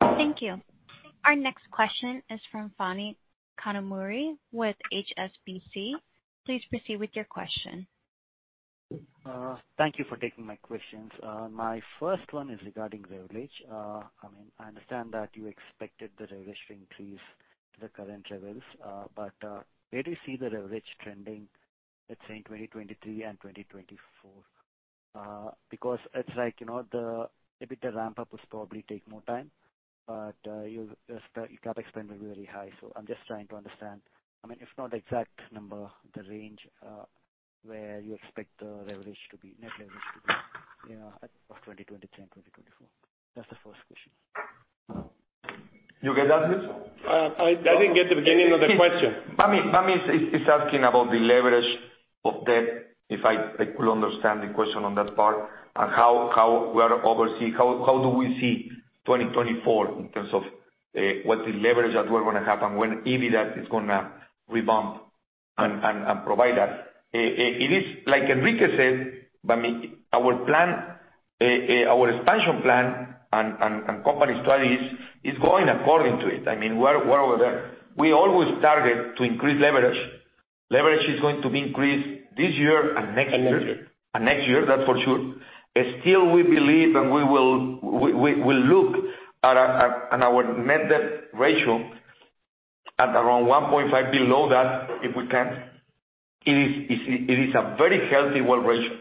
Thank you. Our next question is from Phani Kanumuri with HSBC. Please proceed with your question. Thank you for taking my questions. My first one is regarding leverage. I mean, I understand that you expected the leverage to increase to the current levels, where do you see the leverage trending, let's say, in 2023 and 2024? It's like, you know, the EBITDA ramp up will probably take more time, but, your CapEx spend will be very high. I'm just trying to understand, I mean, if not the exact number, the range, where you expect the leverage to be, net leverage to be, you know, at, for 2023 and 2024. That's the first question. You get that, Luis? I didn't get the beginning of the question. Fani is asking about the leverage of debt, if I could understand the question on that part, and how do we see 2024 in terms of what the leverage that we're gonna have and when EBITDA is gonna rebound and provide us. It is like Enrique Yamuni said, but our plan, our expansion plan and company strategies is going according to it. I mean, we're over there. We always target to increase leverage. Leverage is going to be increased this year and next year. Next year. Next year, that's for sure. Still, we believe, we'll look at our net debt ratio at around 1.5 below that, if we can. It is a very healthy well ratio.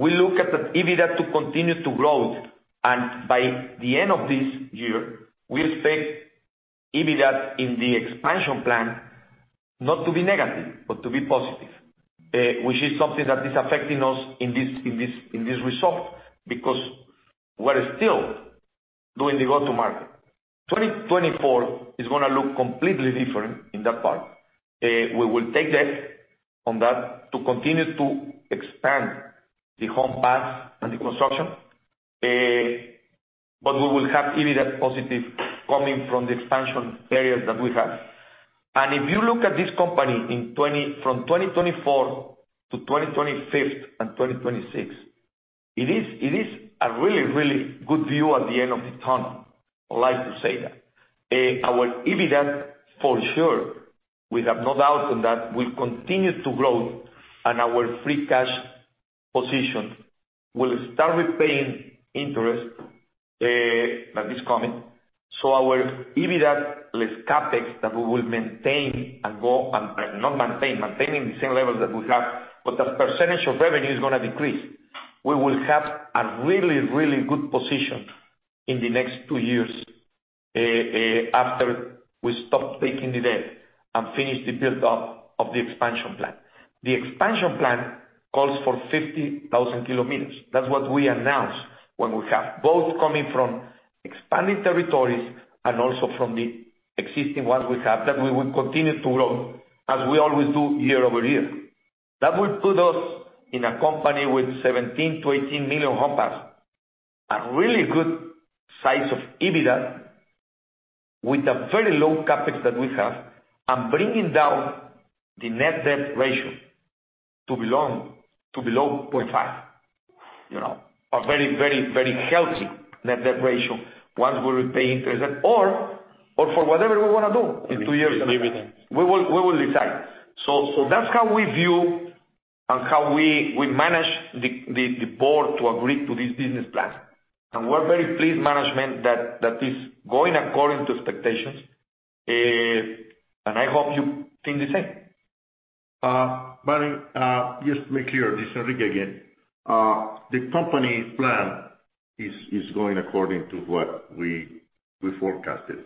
We look at the EBITDA to continue to grow. By the end of this year, we expect EBITDA in the expansion plan not to be negative, but to be positive. Which is something that is affecting us in this result because we're still doing the go to market. 2024 is gonna look completely different in that part. We will take debt from that to continue to expand the home passed and the construction. We will have EBITDA positive coming from the expansion areas that we have. If you look at this company from 2024 to 2025 and 2026, it is a really good view at the end of the tunnel. I'd like to say that. Our EBITDA for sure, we have no doubt on that, will continue to grow and our free cash position will start with paying interest that is coming. Our EBITDA less CapEx that we will maintain, not maintain, maintaining the same level that we have, but the percentage of revenue is gonna decrease. We will have a really good position in the next 2 years after we stop taking the debt and finish the build-up of the expansion plan. The expansion plan calls for 50,000 km. That's what we announced when we have both coming from expanding territories and also from the existing ones we have, that we will continue to grow as we always do year-over-year. That will put us in a company with 17 million-18 million home passes. A really good size of EBITDA with a very low CapEx that we have and bringing down the net debt ratio to below 0.5. You know, a very, very, very healthy net debt ratio once we repay interest or for whatever we wanna do in 2 years time. Give it in. We will decide. That's how we view and how we manage the board to agree to this business plan. We're very pleased management that is going according to expectations, and I hope you think the same. Just to be clear, this is Enrique again. The company plan is going according to what we forecasted.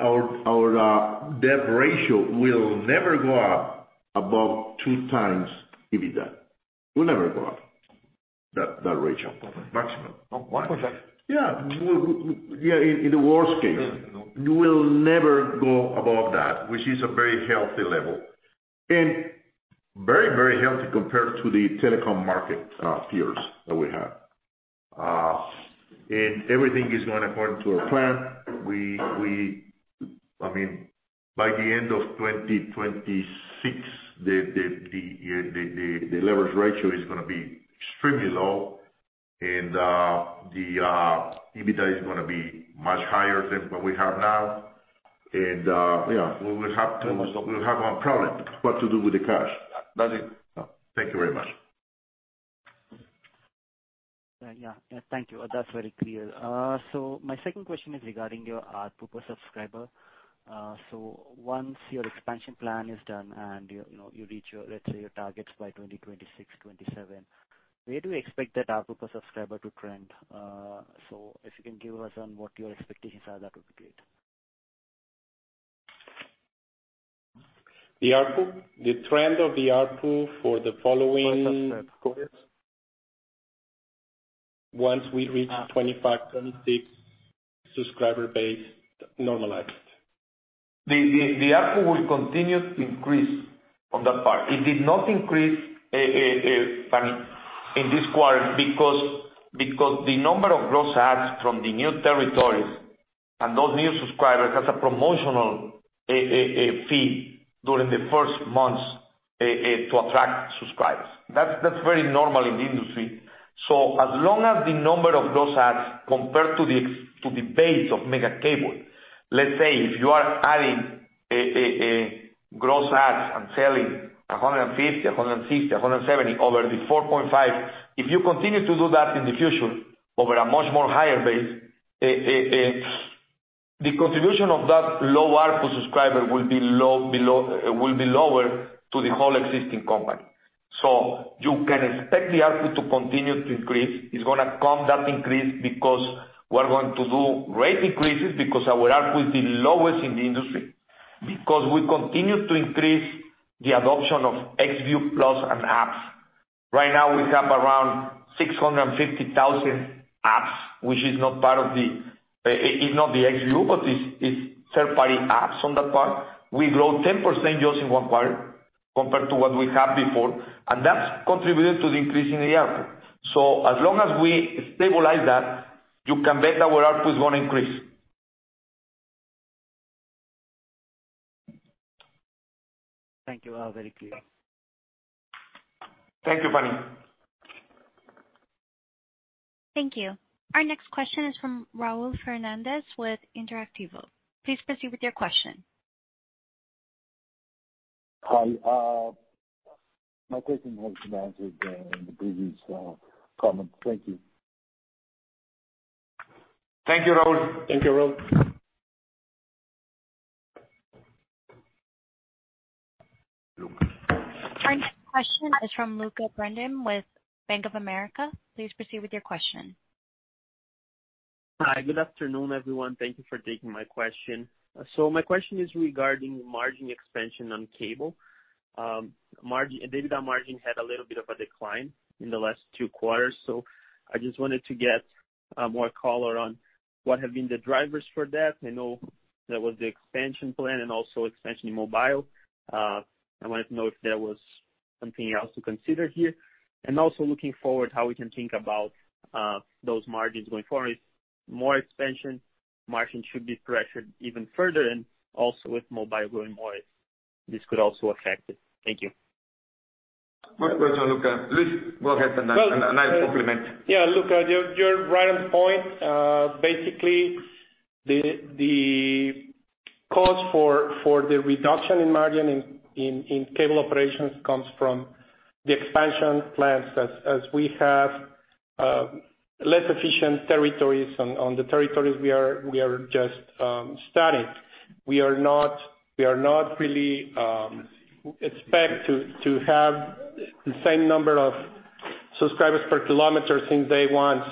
Our debt ratio will never go up above 2 times EBITDA. It will never go up, that ratio. Maximum. Oh, wow. Yeah, in the worst case. You will never go above that, which is a very healthy level, and very, very healthy compared to the telecom market peers that we have. Everything is going according to our plan. I mean, by the end of 2026, the leverage ratio is gonna be extremely low and the EBITDA is gonna be much higher than what we have now. Yeah, we'll have a problem what to do with the cash. That's it. Yeah. Thank you very much. Yeah. Thank you. That's very clear. My second question is regarding your ARPU per subscriber. Once your expansion plan is done and, you know, you reach your, let's say, your targets by 2026, 2027, where do we expect that ARPU per subscriber to trend? If you can give us on what your expectations are, that would be great. The ARPU? The trend of the ARPU Once we reach 25, 26 subscriber base normalized. The ARPU will continue to increase on that part. It did not increase, Funny, in this quarter because the number of gross adds from the new territories and those new subscribers has a promotional fee during the first months to attract subscribers. That's very normal in the industry. As long as the number of gross adds compared to the to the base of Megacable, let's say if you are adding gross adds and selling 150, 160, 170 over the 4.5, if you continue to do that in the future over a much more higher base, the contribution of that low ARPU subscriber will be lower to the whole existing company. You can expect the ARPU to continue to increase. It's gonna come that increase because we're going to do rate increases because our ARPU is the lowest in the industry, because we continue to increase the adoption of Xview Plus and apps. Right now we have around 650,000 apps, which is not part of the, is not the Xview, but is third-party apps on that part. We grow 10% just in one quarter compared to what we had before, and that's contributed to the increase in the ARPU. As long as we stabilize that, you can bet our ARPU is gonna increase. Thank you. All very clear. Thank you, Funny. Thank you. Our next question is from Raul Fernandez with Interactive. Please proceed with your question. Hi. My question has been answered in the previous comments. Thank you. Thank you, Raul. Thank you, Raul. Our next question is from Lucca Brendim with Bank of America. Please proceed with your question. Hi. Good afternoon, everyone. Thank you for taking my question. My question is regarding margin expansion on cable. EBITDA margin had a little bit of a decline in the last 2 quarters, so I just wanted to get more color on what have been the drivers for that. I know that was the expansion plan and also expansion in mobile. I wanted to know if there was something else to consider here. Looking forward, how we can think about those margins going forward. More expansion, margins should be pressured even further, and also with mobile growing more, this could also affect it. Thank you. Good question, Luca. Luis, go ahead and I'll complement. Yeah, Lucca, you're right on point. Basically the cost for the reduction in margin in cable operations comes from the expansion plans. As we have less efficient territories on the territories we are just starting. We are not really expect to have the same number of subscribers per kilometer since day one.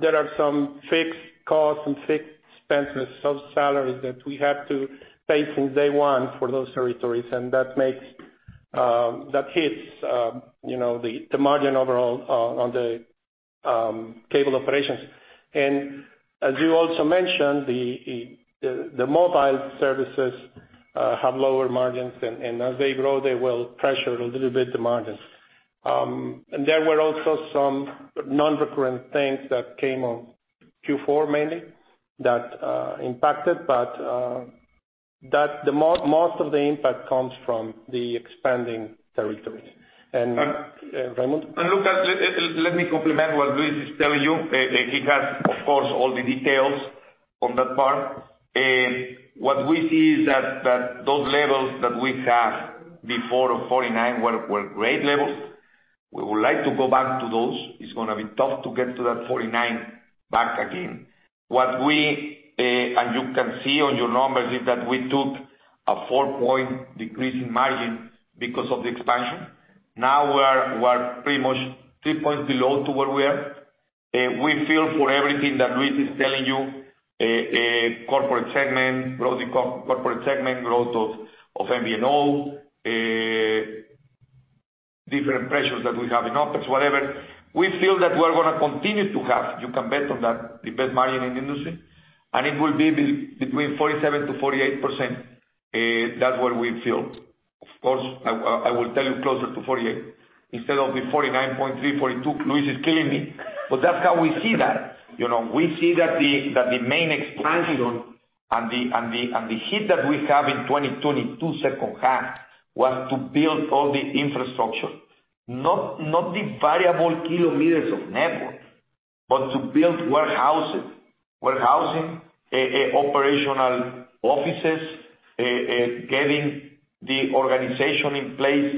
There are some fixed costs and fixed expenses, some salaries that we have to pay since day one for those territories. That makes that hits, you know, the margin overall on the cable operations. As you also mentioned, the mobile services have lower margins and as they grow, they will pressure a little bit the margins. There were also some non-recurrent things that came on Q4 mainly that impacted, but that the most of the impact comes from the expanding territories. Raymond? Luca, let me complement what Luis is telling you. He has, of course, all the details on that part. What we see is that those levels that we had before the 49 were great levels. We would like to go back to those. It's gonna be tough to get to that 49 back again. What we, and you can see on your numbers, is that we took a 4-point decrease in margin because of the expansion. Now we're pretty much 3 points below to where we are. We feel for everything that Luis is telling you, corporate segment, growth in corporate segment growth of MVNO, different pressures that we have in OpEx, whatever. We feel that we're gonna continue to have, you can bet on that, the best margin in the industry, and it will be between 47%-48%. That's what we feel. Of course, I will tell you closer to 48% instead of the 49.3%, 42%. Luis is killing me. That's how we see that, you know. We see that the main expansion and the hit that we have in 2022 second half was to build all the infrastructure. Not the variable kilometers of network, but to build warehouses. Warehousing, operational offices, getting the organization in place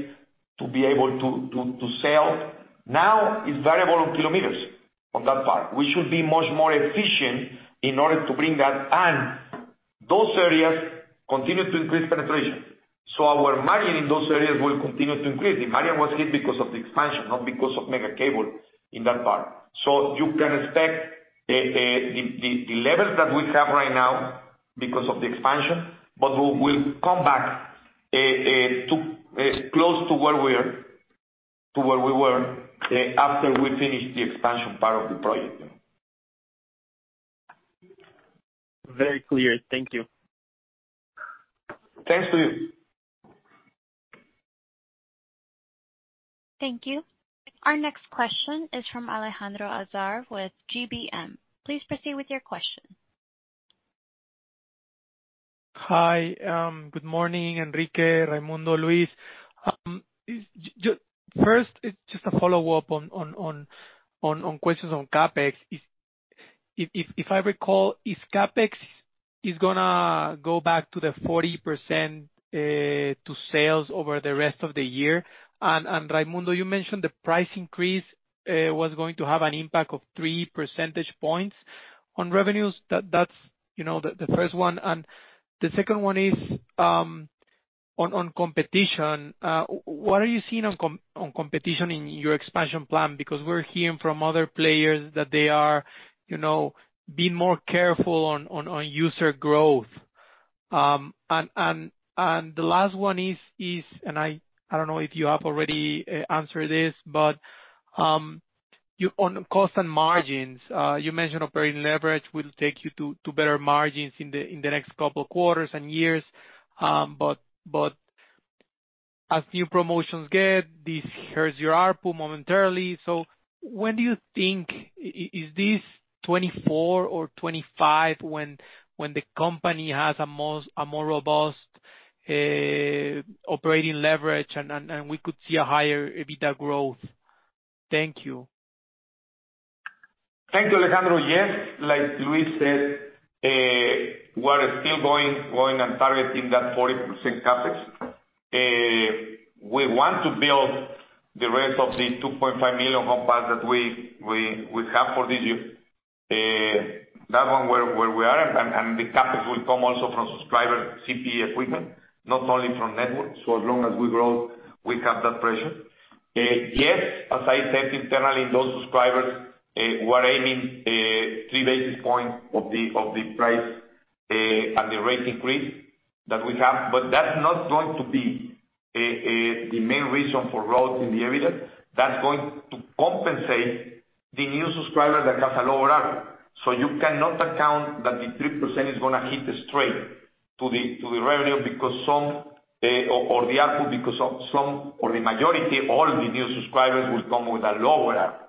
to be able to sell. Now it's variable on kilometers on that part. We should be much more efficient in order to bring that. Those areas continue to increase penetration, so our margin in those areas will continue to increase. The margin was hit because of the expansion, not because of Megacable in that part. You can expect the levels that we have right now because of the expansion, but we'll come back to close to where we were after we finish the expansion part of the project now. Very clear. Thank you. Thanks, Luis. Thank you. Our next question is from Alejandro Azar with GBM. Please proceed with your question. Hi. Good morning, Enrique, Raymundo, Luis. Just first, just a follow-up on questions on CapEx. If I recall, if CapEx is gonna go back to the 40% to sales over the rest of the year. Raymundo you mentioned the price increase was going to have an impact of 3 percentage points on revenues. That's, you know, the first one. The second one is on competition. What are you seeing on competition in your expansion plan? We're hearing from other players that they are, you know, being more careful on user growth. The last one is, I don't know if you have already answered this, but on cost and margins, you mentioned operating leverage will take you to better margins in the next couple quarters and years. As new promotions get, this hurts your ARPU momentarily. When do you think, is this 2024 or 2025 when the company has a more robust operating leverage and we could see a higher EBITDA growth? Thank you. Thank you, Alejandro. Like Luis said, we're still going and targeting that 40% CapEx. We want to build the rest of the 2.5 million home passes we have for this year. That one where we are, and the CapEx will come also from subscriber CPE equipment, not only from networks. As long as we grow, we have that pressure. Yes, as I said, internally, those subscribers, we're aiming 3 basis points of the price and the rate increase that we have. That's not going to be the main reason for growth in the EBITDA. That's going to compensate the new subscriber that has a lower ARPU. You cannot account that the 3% is gonna hit straight to the revenue because some or the ARPU, because some or the majority, all of the new subscribers will come with a lower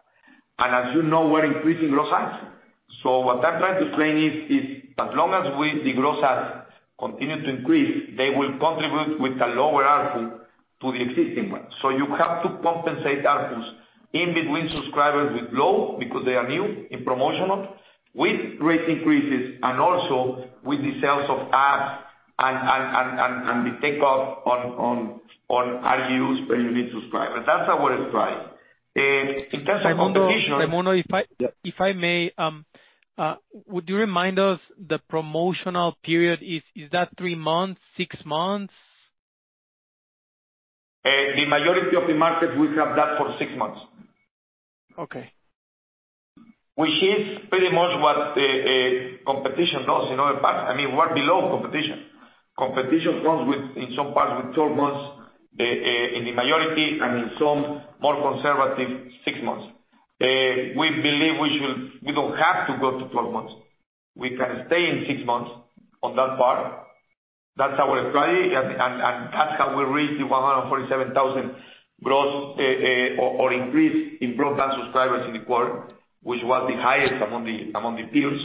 ARPU. As you know, we're increasing gross adds. What I'm trying to explain is as long as the gross adds continue to increase, they will contribute with a lower ARPU to the existing one. You have to compensate ARPUs in between subscribers with low because they are new in promotional with rate increases and also with the sales of adds and the take up on RGUs per unique subscriber. That's our strategy. In terms of competition. Raymundo, Raimundo. Yeah. If I may, would you remind us the promotional period, is that three months? Six months? The majority of the market we have that for six months. Okay. Which is pretty much what the competition does in other parts. I mean, we're below competition. Competition comes with, in some parts with 12 months, in the majority and in some more conservative 6 months. We believe we don't have to go to 12 months. We can stay in 6 months on that part. That's our strategy and that's how we reached the 147,000 gross increase in broadband subscribers in the quarter, which was the highest among the peers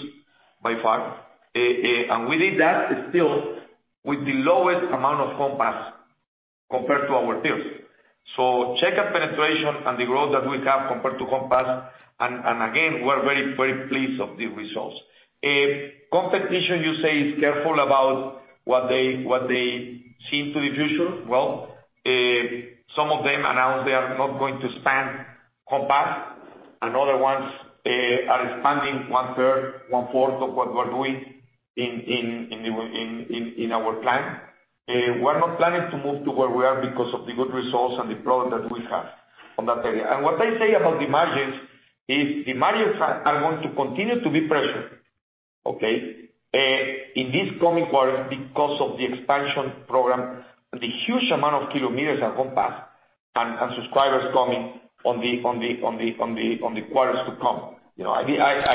by far. We did that still with the lowest amount of home pass compared to our peers. Check out penetration and the growth that we have compared to home pass and again, we're very, very pleased of the results. Competition you say is careful about what they see to the future. Some of them announced they are not going to spend home pass, and other ones are spending one-third, one-fourth of what we're doing in our plan. We're not planning to move to where we are because of the good results and the product that we have on that area. What I say about the margins is the margins are going to continue to be pressured, okay? In this coming quarter because of the expansion program, the huge amount of kilometers and home pass and subscribers coming on the quarters to come. You know, I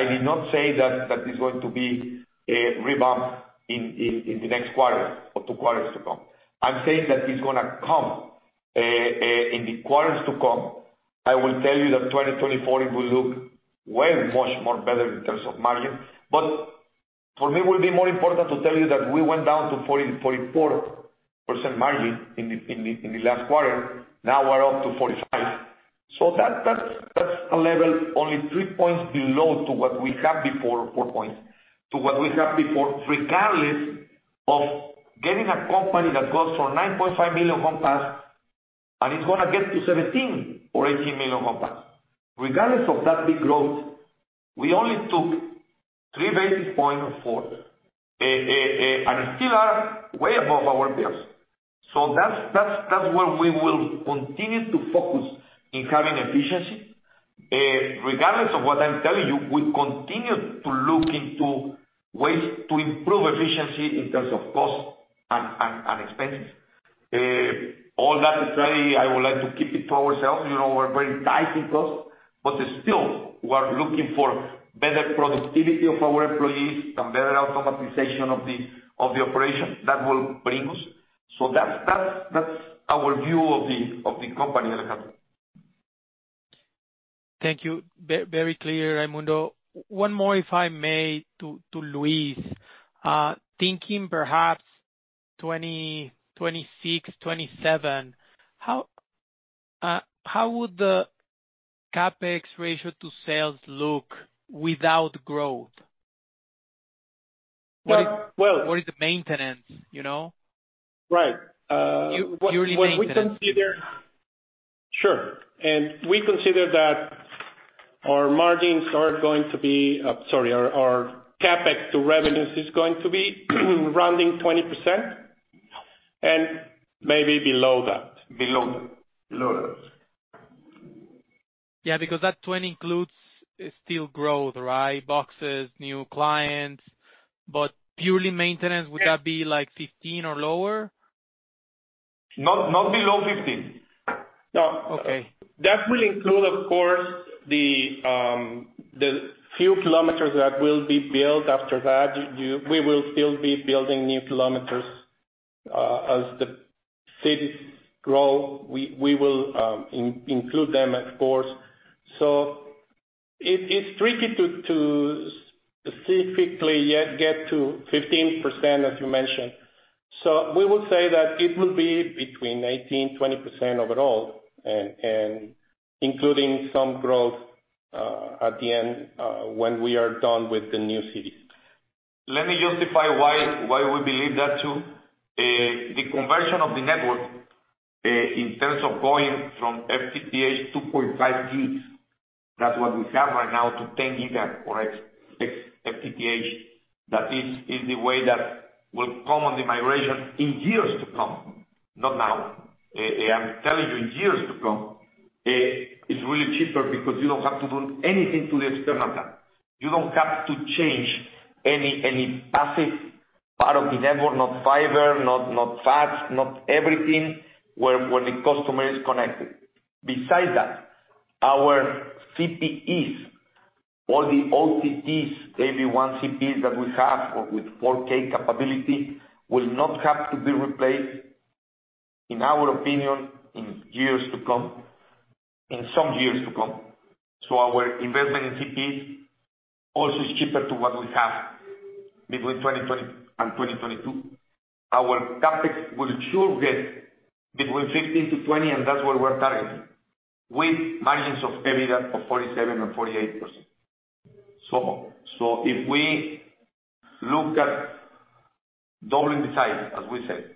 did not say that it's going to be a rebound in the next quarter or 2 quarters to come. I'm saying that it's gonna come in the quarters to come. I will tell you that 2024 it will look way much more better in terms of margin. For me, it will be more important to tell you that we went down to 40%, 44% margin in the last quarter. Now we're up to 45%. That's a level only three points below to what we had before, four points, to what we had before, regardless of getting a company that goes from 9.5 million home pass and it's gonna get to 17 or 18 million home pass. Regardless of that big growth, we only took 3 basis points or 4 and still are way above our peers. That's where we will continue to focus in cutting efficiency. Regardless of what I'm telling you, we continue to look into ways to improve efficiency in terms of cost and expenses. All that strategy, I would like to keep it to ourselves. You know, we're very tight in cost, still we are looking for better productivity of our employees and better automatization of the operation that will bring us. That's our view of the company on the house. Thank you. Very clear, Raymundo. One more if I may to Luis. thinking perhaps 2026, 2027, how would the CapEx ratio to sales look without growth? Well, well- What is the maintenance, you know? Right. Purely maintenance. What we consider. Sure. We consider that our margins are going to be, sorry, our CapEx to revenues is going to be around 20% and maybe below that. Below that. Below that. Yeah, that 20% includes still growth, right? Boxes, new clients. Purely maintenance. Yeah. would that be like 15 or lower? Not, not below 15. No. Okay. That will include, of course, the few kilometers that will be built after that. We will still be building new kilometers as the cities grow. We will include them of course. It's tricky to specifically yet get to 15%, as you mentioned. We will say that it will be between 18%-20% overall and including some growth at the end when we are done with the new cities. Let me justify why we believe that too. The conversion of the network in terms of going from FTTH 2.5 gigs, that's what we have right now, to 10G or FTTH, that is the way that will come on the migration in years to come, not now. I'm telling you in years to come. It's really cheaper because you don't have to do anything to the external plant. You don't have to change any asset, part of the network, not fiber, not fast, not everything when the customer is connected. Besides that, our CPEs, all the OTTs, AV1 CPEs that we have or with 4K capability will not have to be replaced in our opinion, in years to come, in some years to come. Our investment in CapEx also is cheaper to what we have between 2020 and 2022. Our CapEx will sure get between 15%-20%, and that's what we're targeting with margins of EBITDA of 47% and 48%. If we look at doubling the size, as we said,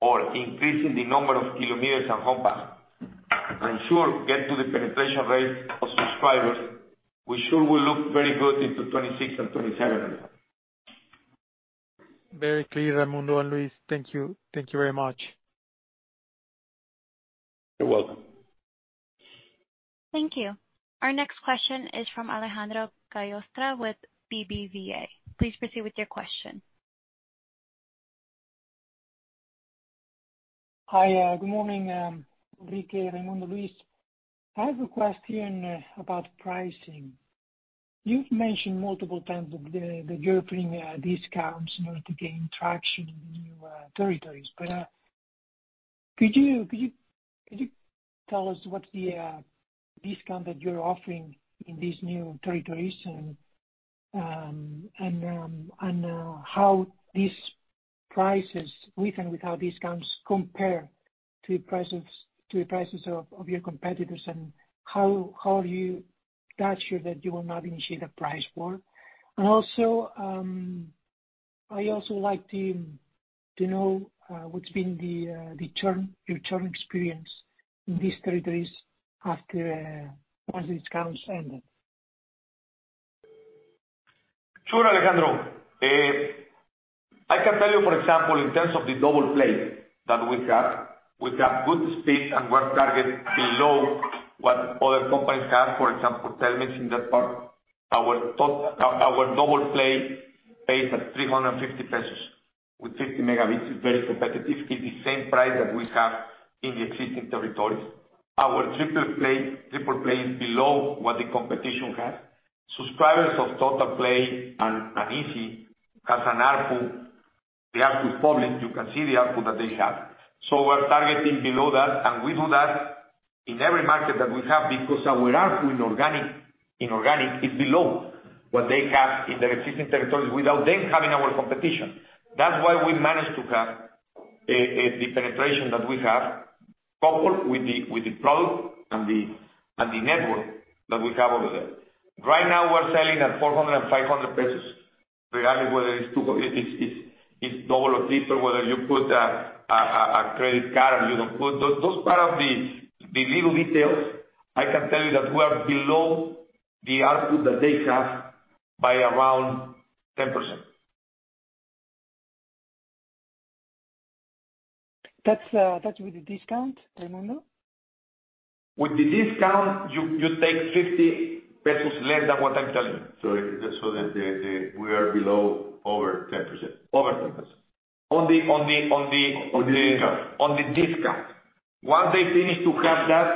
or increasing the number of kilometers and home pass, I'm sure get to the penetration rate of subscribers, we sure will look very good into 26 and 27. Very clear, Raymundo and Luis. Thank you. Thank you very much. You're welcome. Thank you. Our next question is from Alejandro Gallostra with BBVA. Please proceed with your question. Hi. Good morning. Enrique, Raymundo, Luis. I have a question about pricing. You've mentioned multiple times of the gearing discounts in order to gain traction in the new territories. Could you tell us what's the discount that you're offering in these new territories and how these prices with and without discounts compare to prices of your competitors? How you got sure that you will not initiate a price war? Also, I also like to know what's been the churn, your churn experience in these territories after once the discounts ended. Sure, Alejandro. I can tell you, for example, in terms of the double play that we have, we have good speed and we're targeted below what other companies have. For example, Telmex in that part. Our double play pays at 350 pesos with 50 megabits is very competitive. It's the same price that we have in the existing territories. Our triple play is below what the competition has. Subscribers of Totalplay and izzi has an ARPU. The ARPU is public. You can see the ARPU that they have. We're targeting below that, and we do that in every market that we have because our ARPU in organic is below what they have in their existing territories without them having our competition. That's why we managed to have the penetration that we have coupled with the product and the network that we have over there. Right now we're selling at 400, 500 pesos, regardless whether it's double or triple, whether you put a credit card or you don't put. Those are part of the little details. I can tell you that we are below the ARPU that they have by around 10%. That's, that's with the discount, Raymundo? With the discount, you take 50 pesos less than what I'm telling you. that the we are below over 10%. Over 10% on the. On the discount. On the discount. Once they finish to have that,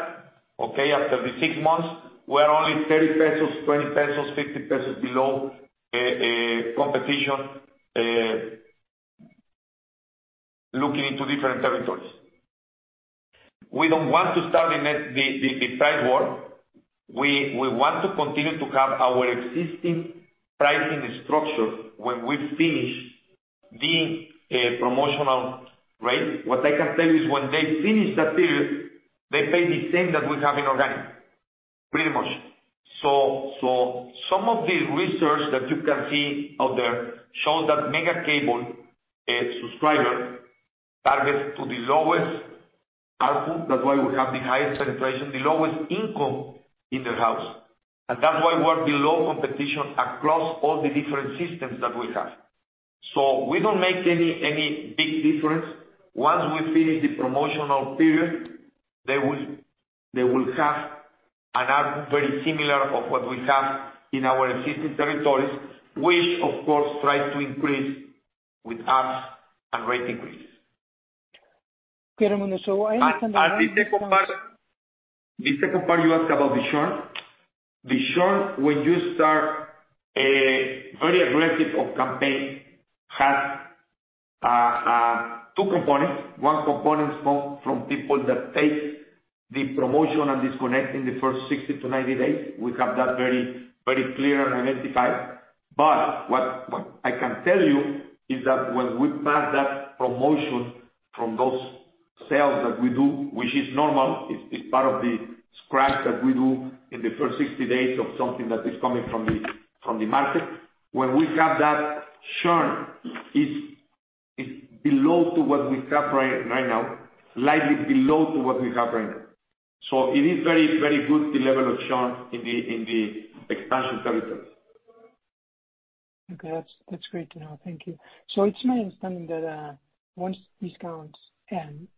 okay, after the six months, we're only 30 pesos, 20 pesos, 50 pesos below competition, looking into different territories. We don't want to start the price war. We want to continue to have our existing pricing structure when we finish the promotional rate. What I can tell you is when they finish that period, they pay the same that we have in organic, pretty much. Some of the research that you can see out there show that Megacable subscriber targets to the lowest ARPU. That's why we have the highest penetration, the lowest income in the house. That's why we're below competition across all the different systems that we have. We don't make any big difference. Once we finish the promotional period, they will have an ARPU very similar of what we have in our existing territories, which of course try to increase with apps and rate increase. Okay, Raimundo, I understand. The second part you asked about the churn. The churn when you start a very aggressive of campaign has 2 components. One component is from people that take the promotion and disconnect in the first 60 to 90 days. We have that very clear and identified. What I can tell you is that when we pass that promotion from those sales that we do, which is normal, it's part of the scratch that we do in the first 60 days of something that is coming from the market. When we have that churn, it's below to what we have right now, slightly below to what we have right now. It is very good the level of churn in the expansion territories. Okay. That's great to know. Thank you. It's my understanding that once discounts end,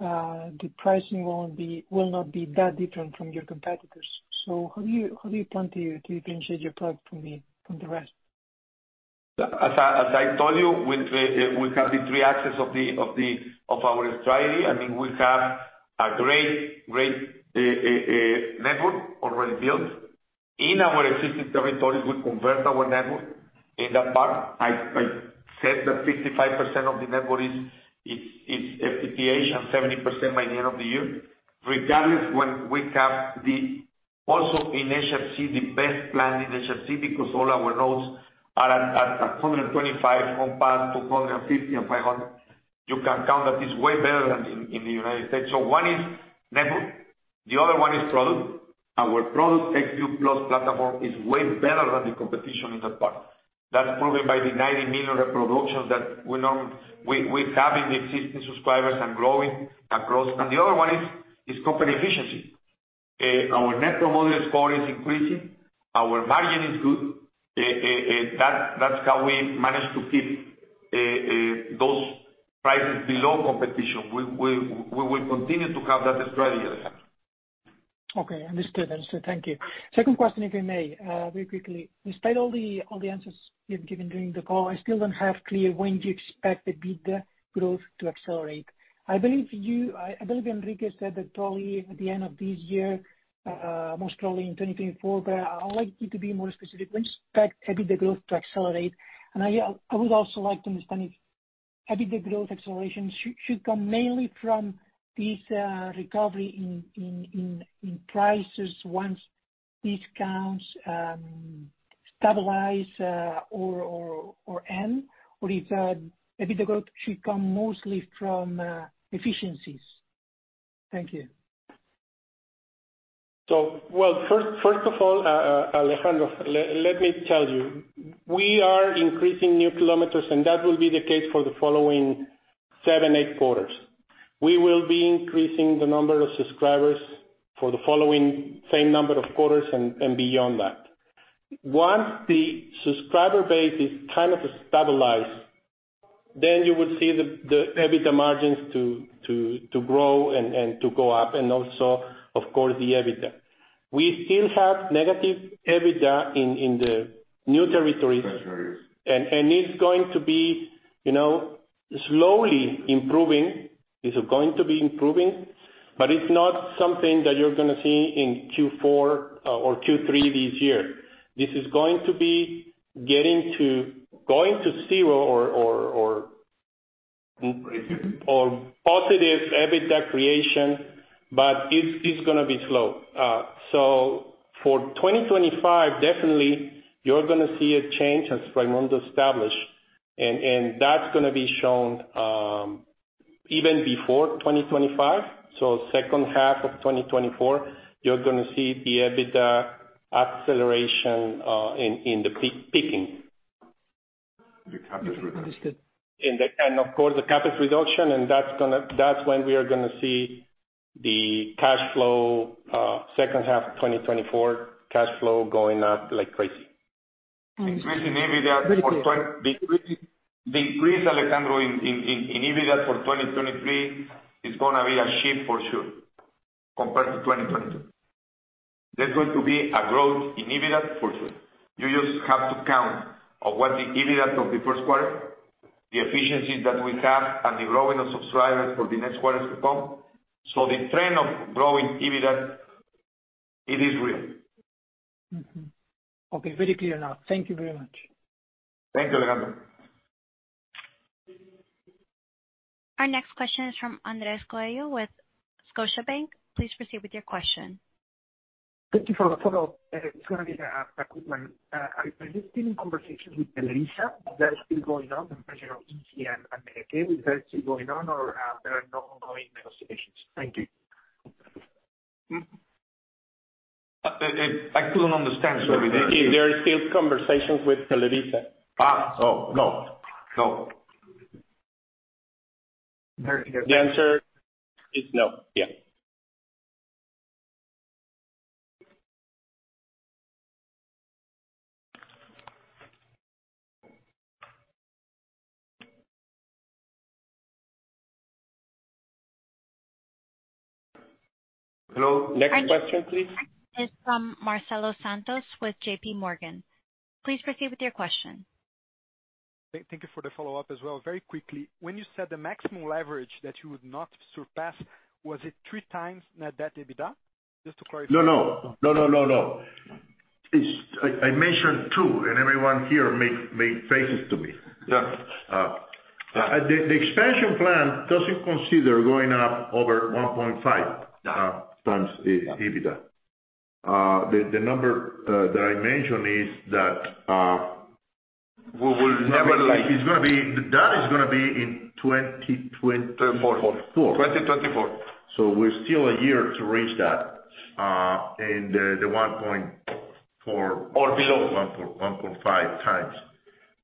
the pricing will not be that different from your competitors. How do you plan to differentiate your product from the rest? As I told you, we have the three axes of the, of our strategy. I mean, we have a great network already built. In our existing territories, we convert our network in that part. I said that 55% of the network is FTTH and 70% by the end of the year. Regardless, when we have Also in HFC, the best plan in HFC because all our nodes are at 125 compared to 150 and 500. You can count that it's way better than in the United States. One is network, the other one is product. Our product Xview Plus platform is way better than the competition in that part. That's proven by the 90 million reproductions that we know we having existing subscribers and growing across. The other one is company efficiency. Our Net Promoter Score is increasing, our margin is good. That's how we manage to keep those prices below competition. We will continue to have that strategy, Alejandro. Okay, understood. Understood. Thank you. Second question, if I may, very quickly. Despite all the answers you've given during the call, I still don't have clear when do you expect the EBITDA growth to accelerate. I believe Enrique said that probably at the end of this year, most probably in 2024. I'd like you to be more specific. When do you expect EBITDA growth to accelerate? I would also like to understand if EBITDA growth acceleration should come mainly from this recovery in prices once discounts stabilize or end. If EBITDA growth should come mostly from efficiencies. Thank you. Well, first of all, Alejandro, let me tell you. We are increasing new kilometers, and that will be the case for the following 7, 8 quarters. We will be increasing the number of subscribers for the following same number of quarters and beyond that. Once the subscriber base is kind of stabilized, then you will see the EBITDA margins to grow and to go up, and also, of course, the EBITDA. We still have negative EBITDA in the new territories. Territories. It's going to be, you know, slowly improving. It's going to be improving, but it's not something that you're gonna see in Q4 or Q3 this year. This is going to be going to zero or positive EBITDA creation, but it's gonna be slow. For 2025, definitely you're gonna see a change as Raimundo established, and that's gonna be shown even before 2025. Second half of 2024, you're gonna see the EBITDA acceleration in the picking. The CapEx reduction. Understood. Of course, the CapEx reduction, and that's when we are gonna see the cash flow, second half of 2024, cash flow going up like crazy. Thank you. Very clear. The increase, Alejandro, in EBITDA for 2023 is gonna be a shift for sure compared to 2022. There's going to be a growth in EBITDA for sure. You just have to count on what the EBITDA of the first quarter, the efficiencies that we have, and the growing of subscribers for the next quarters to come. The trend of growing EBITDA, it is real. Okay. Very clear now. Thank you very much. Thank you, Alejandro. Our next question is from Andres Coello with Scotiabank. Please proceed with your question. Thank you for the follow-up. It's gonna be a quick one. Are you still in conversations with Televisa? Is that still going on? The question of EC and EK. Is that still going on or there are no ongoing negotiations? Thank you. I couldn't understand. Sorry, repeat. If there are still conversations with Televisa. Oh, no. No. The answer is no. Yeah. Hello? Next question, please. Is from Marcelo Santos with JP Morgan. Please proceed with your question. Thank you for the follow-up as well. Very quickly, when you said the maximum leverage that you would not surpass, was it 3 times net debt to EBITDA? Just to clarify. No, no. No, no, no. I mentioned two, and everyone here made faces to me. Yeah. The expansion plan doesn't consider going up over 1.5. Yeah. times the EBITDA. The number that I mentioned is that, we will never- That is gonna be in 2024. Four. 2024. we're still a year to reach that, in the 1.4- below. 1.5 times.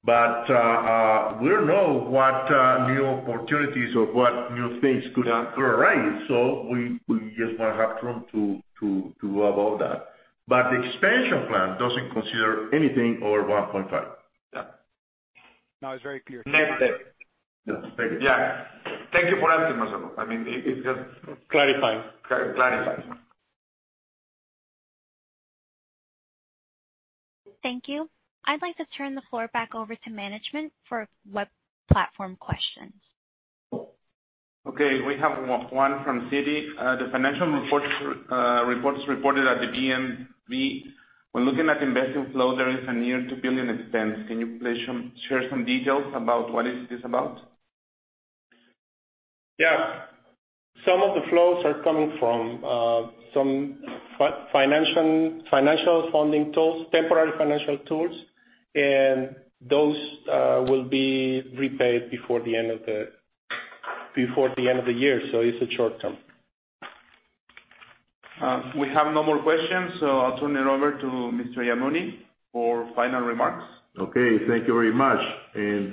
We don't know what new opportunities or what new things could arise. We just wanna have room to above that. The expansion plan doesn't consider anything over 1.5. Yeah. No, it's very clear. Next. Yeah. Thank you for asking, Marcelo. I mean, it just. Clarifying. Clarifying. Thank you. I'd like to turn the floor back over to management for web platform questions. Okay. We have one Juan from Citi. The financial reports reported at the BMV, when looking at investment flow, there is a near 2 billion expense. Can you please share some details about what is this about? Yeah. Some of the flows are coming from, some financial funding tools, temporary financial tools. Those will be repaid before the end of the year. It's a short term. We have no more questions, so I'll turn it over to Mr. Yamuni for final remarks. Okay. Thank you very much. As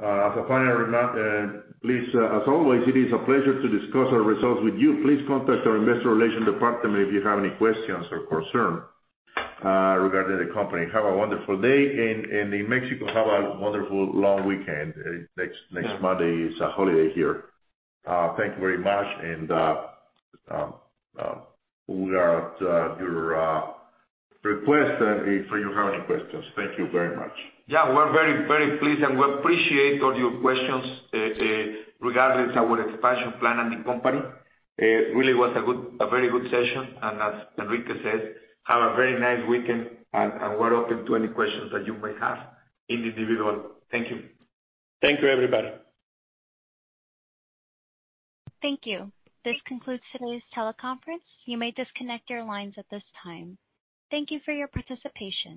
a final remark, please, as always, it is a pleasure to discuss our results with you. Please contact our investor relation department if you have any questions or concern regarding the company. Have a wonderful day. In Mexico, have a wonderful long weekend. Next Monday is a holiday here. Thank you very much. We are at your request if you have any questions. Thank you very much. Yeah. We're very, very pleased, we appreciate all your questions regarding our expansion plan and the company. It really was a very good session. As Enrique said, have a very nice weekend. We're open to any questions that you may have individually. Thank you. Thank you, everybody. Thank you. This concludes today's teleconference. You may disconnect your lines at this time. Thank you for your participation.